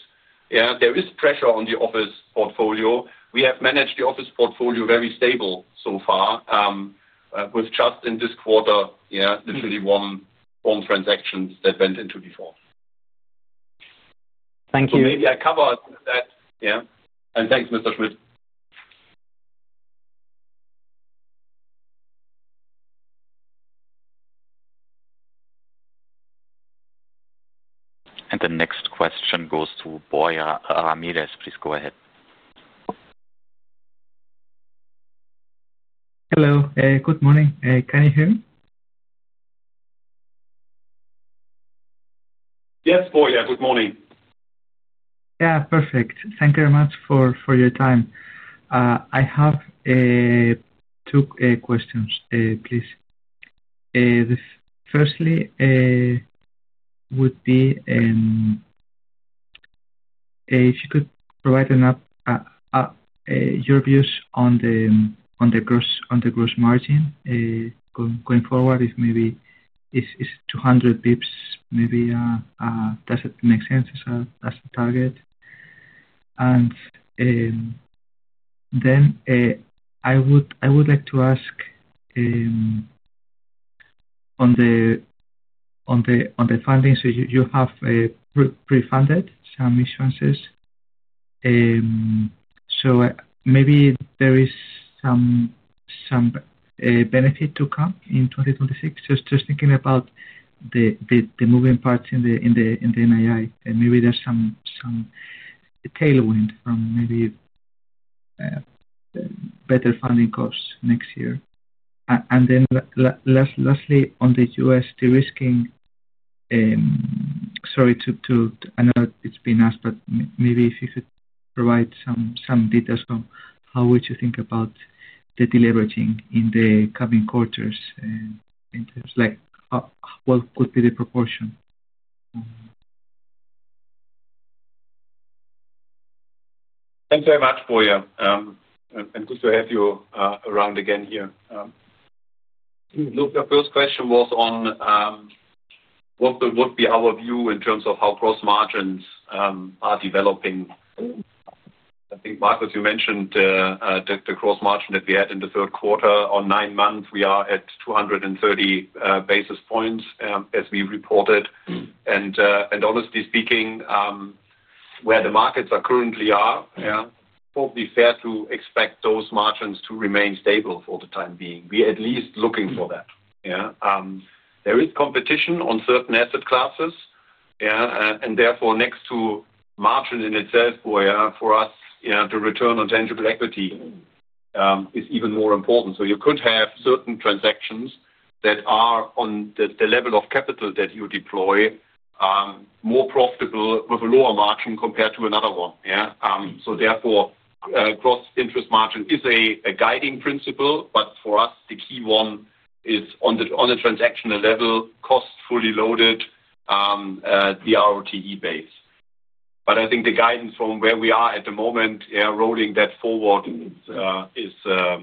there is pressure on the office portfolio. We have managed the office portfolio very stable so far, with just in this quarter, literally one transaction that went into default. Thank you. Maybe I covered that. Yeah. Thanks, Mr. Schmitt. The next question goes to Borja Ramirez. Please go ahead. Hello. Good morning. Can you hear me? Yes, Borja. Good morning. Yeah. Perfect. Thank you very much for your time. I have two questions, please. Firstly would be if you could provide your views on the gross margin going forward, if maybe it is 200 bps, maybe does it make sense as a target? I would like to ask on the funding, so you have pre-funded some assurances. Maybe there is some benefit to come in 2026? Just thinking about the moving parts in the NII, maybe there is some tailwind from maybe better funding costs next year. Lastly, on the U.S. de-risking, sorry, I know it has been asked, but maybe if you could provide some details on how you would think about the deleveraging in the coming quarters, what could be the proportion? Thanks very much, Borja. Good to have you around again here. Look, the first question was on what would be our view in terms of how gross margins are developing. I think, Marcus, you mentioned the gross margin that we had in the third quarter. On nine months, we are at 230 basis points as we reported. Honestly speaking, where the markets are currently are, it is probably fair to expect those margins to remain stable for the time being. We are at least looking for that. There is competition on certain asset classes, and therefore, next to margin in itself, for us the return on tangible equity is even more important. You could have certain transactions that are on the level of capital that you deploy more profitable with a lower margin compared to another one. Therefore, gross interest margin is a guiding principle, but for us, the key one is on a transactional level, cost fully loaded, the RoTE base. I think the guidance from where we are at the moment, rolling that forward is a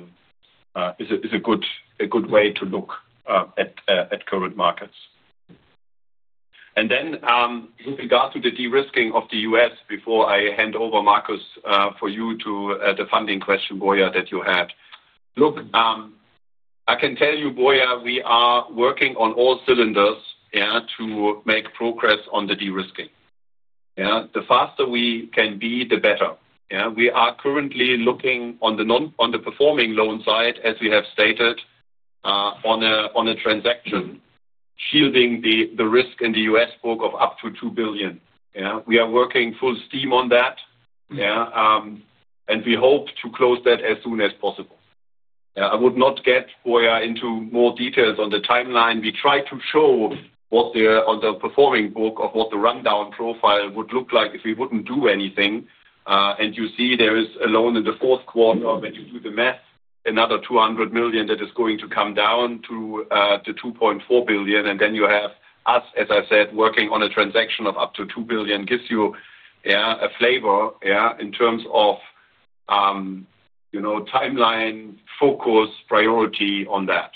good way to look at current markets. With regard to the de-risking of the U.S., before I hand over, Marcus, for you to the funding question, Borja, that you had. Look, I can tell you, Borja, we are working on all cylinders to make progress on the de-risking. The faster we can be, the better. We are currently looking on the performing loan side, as we have stated, on a transaction shielding the risk in the U.S. book of up to 2 billion. We are working full steam on that, and we hope to close that as soon as possible. I would not get, Borja, into more details on the timeline. We try to show what the performing book of what the rundown profile would look like if we would not do anything. You see there is a loan in the fourth quarter. When you do the math, another 200 million that is going to come down to 2.4 billion. You have us, as I said, working on a transaction of up to 2 billion gives you a flavor in terms of timeline, focus, priority on that.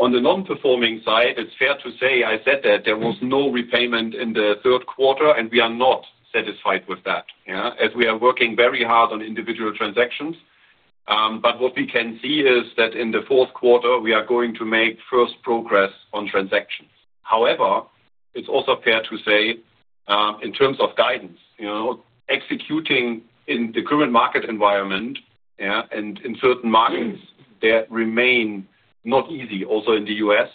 On the non-performing side, it is fair to say, I said that there was no repayment in the third quarter, and we are not satisfied with that, as we are working very hard on individual transactions. What we can see is that in the fourth quarter, we are going to make first progress on transactions. However, it's also fair to say in terms of guidance, executing in the current market environment and in certain markets that remain not easy, also in the U.S.,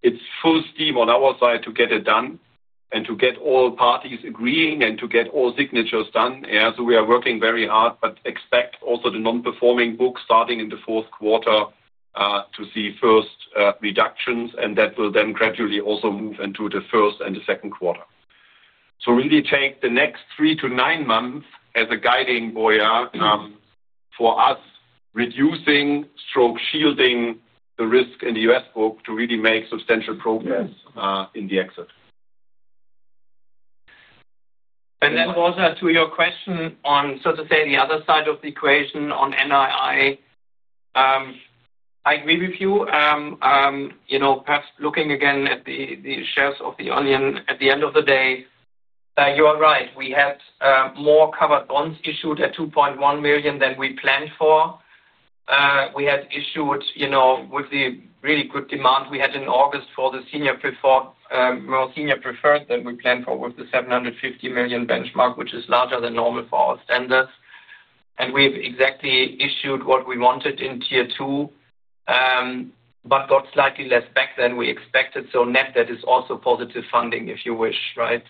it's full steam on our side to get it done and to get all parties agreeing and to get all signatures done. We are working very hard, but expect also the non-performing book starting in the fourth quarter to see first reductions, and that will then gradually also move into the first and the second quarter. Really take the next three to nine months as a guiding, Borja, for us reducing stroke shielding the risk in the U.S. book to really make substantial progress in the exit. Also to your question on, so to say, the other side of the equation on NII, I agree with you. Perhaps looking again at the shares of the onion at the end of the day, you are right. We had more covered bonds issued at 2.1 million than we planned for. We had issued with the really good demand we had in August for the Senior Preferred that we planned for with the 750 million benchmark, which is larger than normal for our standards. We have exactly issued what we wanted in tier two, but got slightly less back than we expected. Net, that is also positive funding, if you wish, right?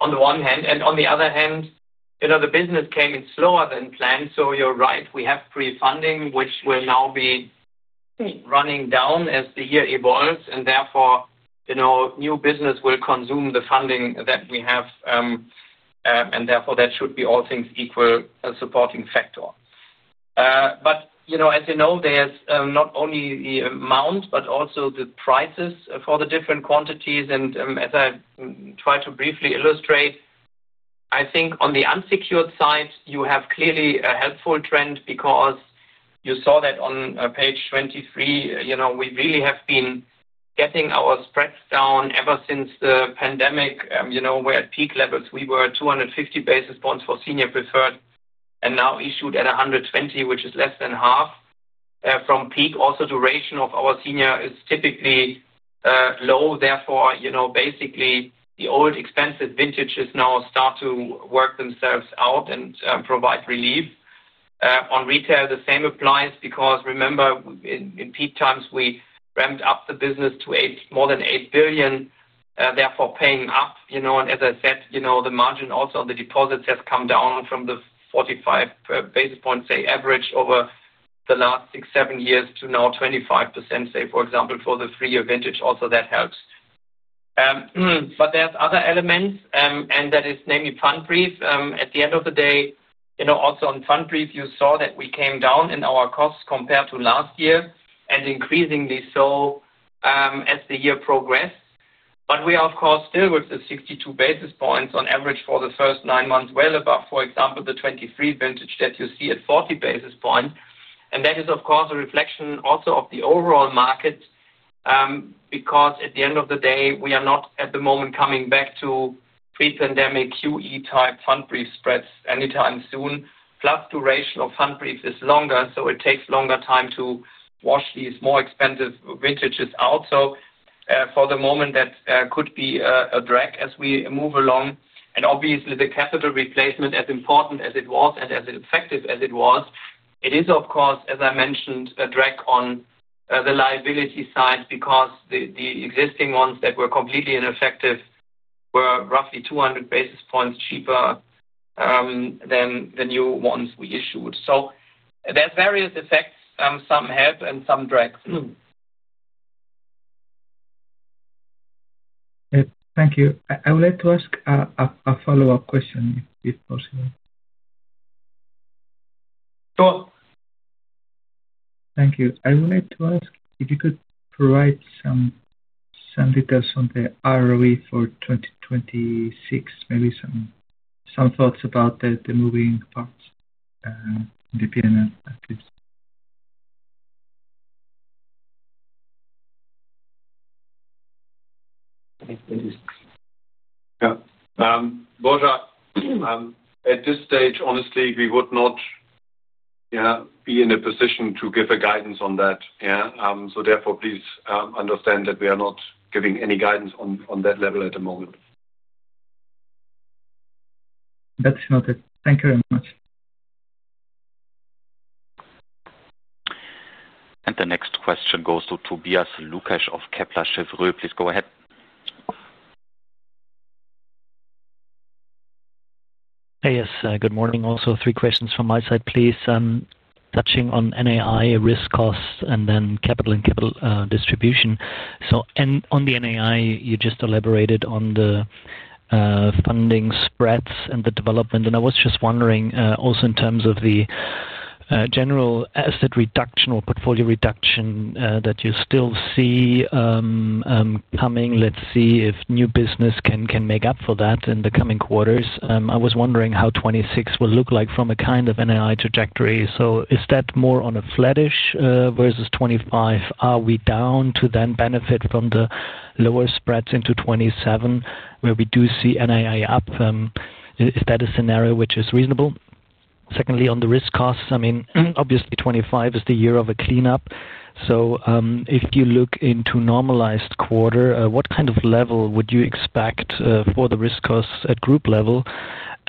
On the one hand, the business came in slower than planned. You are right. We have pre-funding, which will now be running down as the year evolves. Therefore, new business will consume the funding that we have. Therefore, that should be all things equal a supporting factor. As you know, there is not only the amount, but also the prices for the different quantities. As I try to briefly illustrate, I think on the unsecured side, you have clearly a helpful trend because you saw that on page 23. We really have been getting our spreads down ever since the pandemic. We were at peak levels. We were 250 basis points for Senior Preferred and now issued at 120 basis points, which is less than half from peak. Also, duration of our senior is typically low. Therefore, basically, the old expensive vintages now start to work themselves out and provide relief. On retail, the same applies because remember, in peak times, we ramped up the business to more than 8 billion, therefore paying up. As I said, the margin also on the deposits has come down from the 45 basis points, say, average over the last six or seven years to now 25%, say, for example, for the three-year vintage. Also, that helps. There are other elements, and that is namely Pfandbrief. At the end of the day, also on Pfandbrief, you saw that we came down in our costs compared to last year and increasingly so as the year progressed. We are, of course, still with the 62 basis points on average for the first nine months, well above, for example, the 2023 vintage that you see at 40 basis points. That is, of course, a reflection also of the overall market because at the end of the day, we are not at the moment coming back to pre-pandemic QE-type Pfandbrief spreads anytime soon. Plus, duration of Pfandbrief is longer, so it takes longer time to wash these more expensive vintages out. For the moment, that could be a drag as we move along. Obviously, the capital replacement, as important as it was and as effective as it was, it is, of course, as I mentioned, a drag on the liability side because the existing ones that were completely ineffective were roughly 200 basis points cheaper than the new ones we issued. There are various effects, some help and some drag. Thank you. I would like to ask a follow-up question, if possible. Sure. Thank you. I would like to ask if you could provide some details on the ROE for 2026, maybe some thoughts about the moving parts in the P&L, please. Yeah. Borja, at this stage, honestly, we would not be in a position to give a guidance on that. Therefore, please understand that we are not giving any guidance on that level at the moment. That is not it. Thank you very much. The next question goes to Tobias Lukesch of Kepler Cheuvreux. Please go ahead. Yes. Good morning. Also, three questions from my side, please. Touching on NAI, risk costs, and then capital and capital distribution. On the NAI, you just elaborated on the funding spreads and the development. I was just wondering also in terms of the general asset reduction or portfolio reduction that you still see coming. Let us see if new business can make up for that in the coming quarters. I was wondering how 2026 will look like from a kind of NAI trajectory. Is that more on a flattish versus 2025? Are we down to then benefit from the lower spreads into 2027 where we do see NAI up? Is that a scenario which is reasonable? Secondly, on the risk costs, I mean, obviously, 2025 is the year of a cleanup. If you look into a normalized quarter, what kind of level would you expect for the risk costs at group level?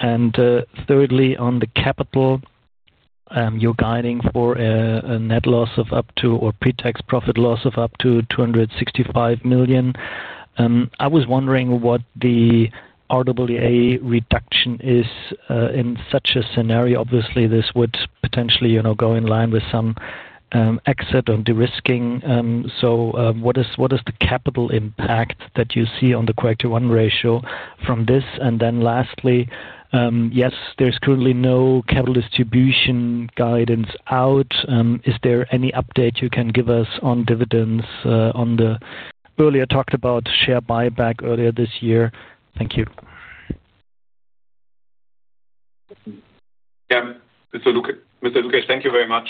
Thirdly, on the capital, you are guiding for a net loss of up to or pre-tax profit loss of up to 265 million. I was wondering what the RWA reduction is in such a scenario. Obviously, this would potentially go in line with some exit on de-risking. What is the capital impact that you see on the quarter to one ratio from this? Lastly, yes, there is currently no capital distribution guidance out. Is there any update you can give us on dividends on the earlier talked about share buyback earlier this year? Thank you. Yeah. Mr. Lukesch, thank you very much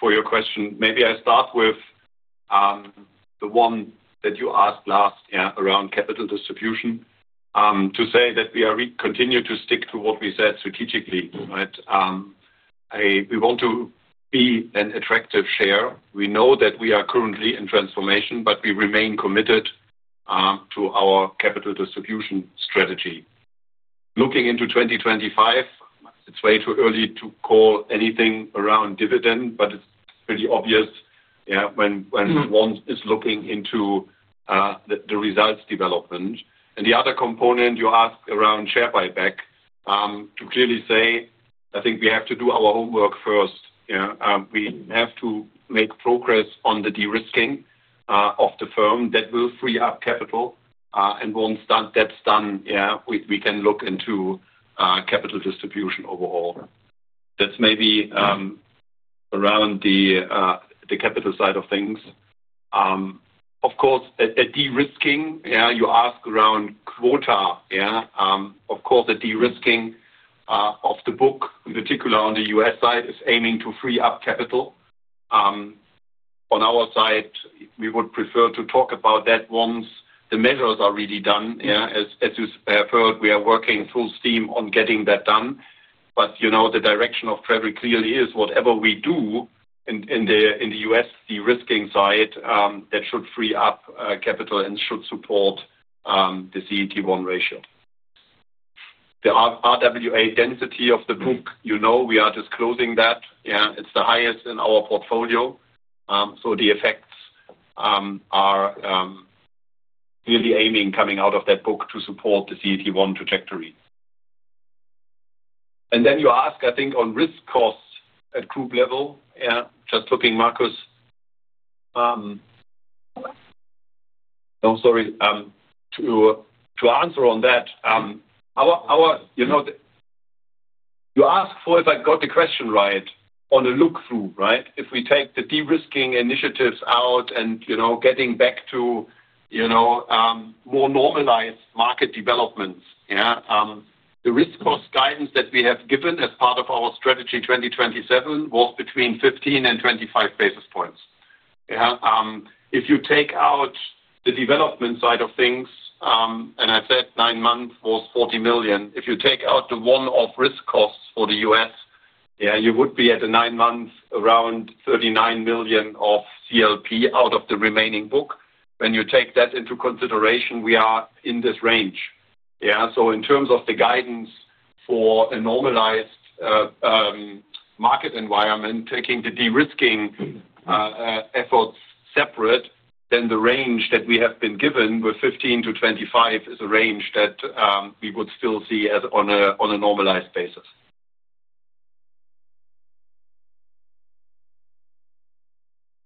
for your question. Maybe I start with the one that you asked last around capital distribution to say that we continue to stick to what we said strategically, right? We want to be an attractive share. We know that we are currently in transformation, but we remain committed to our capital distribution strategy. Looking into 2025, it is way too early to call anything around dividend, but it is pretty obvious when one is looking into the results development. And the other component you asked around share buyback, to clearly say, I think we have to do our homework first. We have to make progress on the de-risking of the firm that will free up capital, and once that's done, we can look into capital distribution overall. That's maybe around the capital side of things. Of course, at de-risking, you ask around quota. Of course, the de-risking of the book, in particular on the U.S. side, is aiming to free up capital. On our side, we would prefer to talk about that once the measures are really done. As you have heard, we are working full steam on getting that done. The direction of Trevor clearly is whatever we do in the U.S. the de-risking side, that should free up capital and should support the CET1 ratio. The RWA density of the book, we are disclosing that. It's the highest in our portfolio. The effects are really aiming coming out of that book to support the CET1 trajectory. You ask, I think, on risk costs at group level, just looking, Marcus. Oh, sorry. To answer on that, you asked for if I got the question right on a look-through, right? If we take the de-risking initiatives out and get back to more normalized market developments, the risk cost guidance that we have given as part of our strategy 2027 was between 15 and 25 basis points. If you take out the development side of things, and I said nine months was 40 million. If you take out the one-off risk costs for the U.S., you would be at a nine-month around EUR 39 million of CLP out of the remaining book. When you take that into consideration, we are in this range. In terms of the guidance for a normalized market environment, taking the de-risking efforts separate, the range that we have been given with 15 basis points-25 basis points is a range that we would still see on a normalized basis.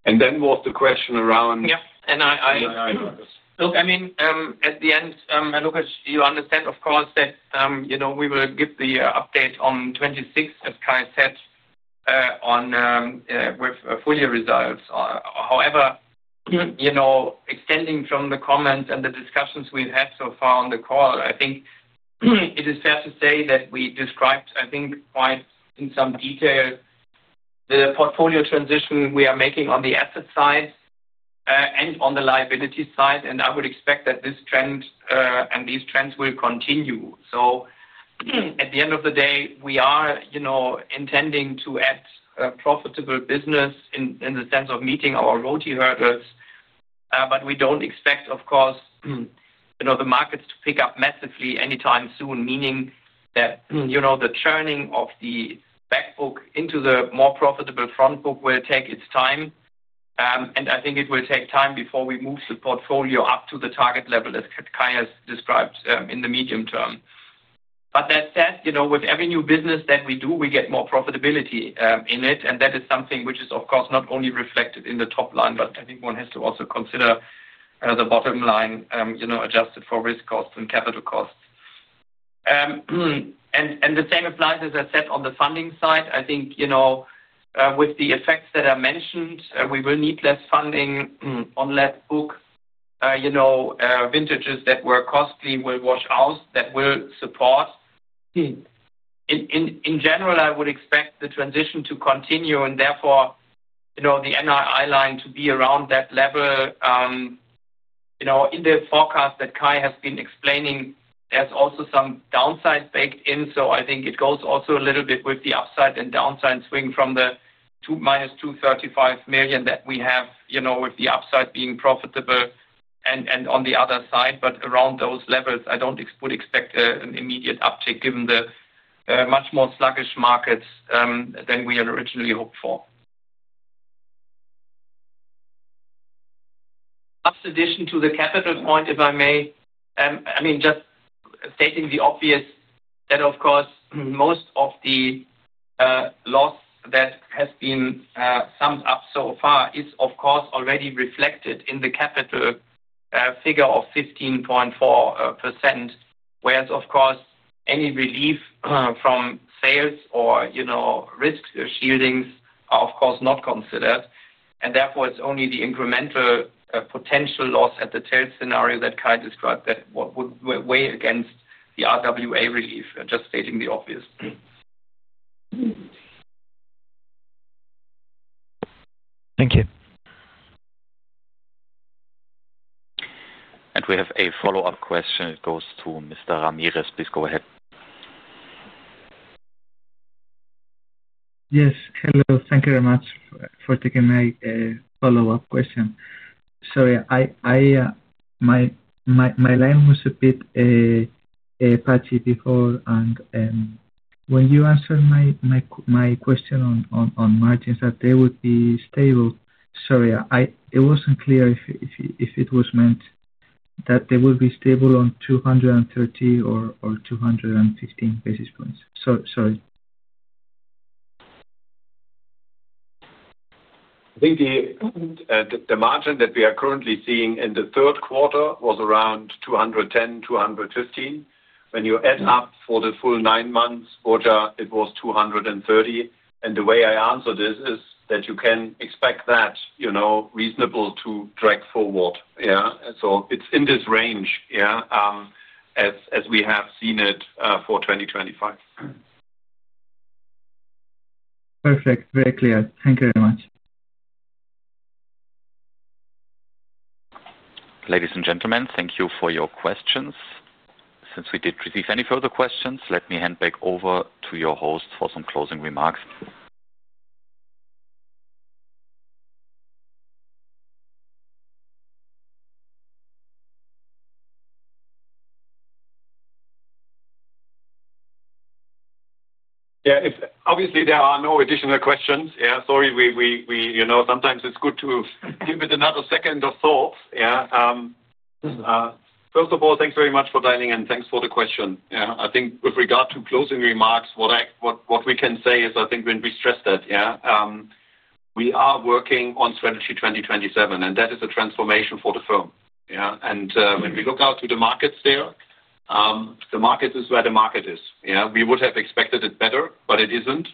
There was the question around. Yeah. I know this. Look, I mean, at the end, Lukesch, you understand, of course, that we will give the update on 2026, as Kay said, with full year results. However, extending from the comments and the discussions we have had so far on the call, I think it is fair to say that we described, I think, quite in some detail the portfolio transition we are making on the asset side and on the liability side. I would expect that this trend and these trends will continue. At the end of the day, we are intending to act profitable business in the sense of meeting our RoTE hurdles. We do not expect, of course, the markets to pick up massively anytime soon, meaning that the churning of the backbook into the more profitable frontbook will take its time. I think it will take time before we move the portfolio up to the target level, as Kay has described, in the medium term. That said, with every new business that we do, we get more profitability in it. That is something which is, of course, not only reflected in the top line, but I think one has to also consider the bottom line adjusted for risk costs and capital costs. The same applies, as I said, on the funding side. I think with the effects that are mentioned, we will need less funding on that book. Vintages that were costly will wash out. That will support. In general, I would expect the transition to continue and therefore the NII line to be around that level. In the forecast that Kay has been explaining, there is also some downside baked in. I think it goes also a little bit with the upside and downside swing from the -235 million that we have, with the upside being profitable and on the other side. Around those levels, I would not expect an immediate uptick given the much more sluggish markets than we had originally hoped for. Last addition to the capital point, if I may. I mean, just stating the obvious that, of course, most of the loss that has been summed up so far is, of course, already reflected in the capital figure of 15.4%, whereas, of course, any relief from sales or risk shieldings are, of course, not considered. Therefore, it's only the incremental potential loss at the tail scenario that Kay described that would weigh against the RWA relief, just stating the obvious. Thank you. We have a follow-up question. It goes to Mr. Ramirez. Please go ahead. Yes. Hello. Thank you very much for taking my follow-up question. Sorry. My line was a bit patchy before. When you answered my question on margins that they would be stable, sorry, it wasn't clear if it was meant that they would be stable on 230 basis points or 215 basis points. Sorry. I think the margin that we are currently seeing in the third quarter was around 210 basis points, 215 basis points. When you add up for the full nine months, it was 230 basis points. The way I answered this is that you can expect that reasonable to drag forward. It is in this range as we have seen it for 2025. Perfect. Very clear. Thank you very much. Ladies and gentlemen, thank you for your questions. Since we did not receive any further questions, let me hand back over to your host for some closing remarks. Yeah. Obviously, there are no additional questions. Sorry. Sometimes it is good to give it another second of thought. First of all, thanks very much for dialing in and thanks for the question. I think with regard to closing remarks, what we can say is I think we stressed that we are working on strategy 2027, and that is a transformation for the firm. When we look out to the markets there, the market is where the market is. We would have expected it better, but it is not.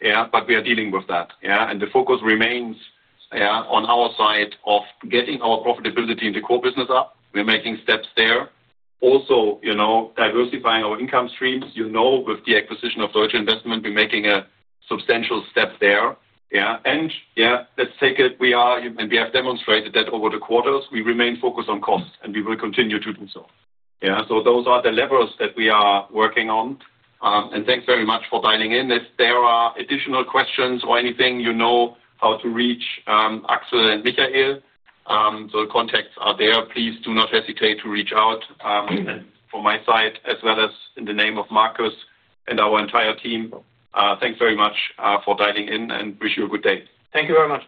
We are dealing with that. The focus remains on our side of getting our profitability in the core business up. We are making steps there. Also, diversifying our income streams. With the acquisition of Deutsche Investment, we are making a substantial step there. We are and we have demonstrated that over the quarters, we remain focused on cost, and we will continue to do so. Those are the levels that we are working on. Thanks very much for dialing in. If there are additional questions or anything, you know how to reach Axel and Michael. The contacts are there. Please do not hesitate to reach out. From my side, as well as in the name of Marcus and our entire team, thanks very much for dialing in and wish you a good day. Thank you very much.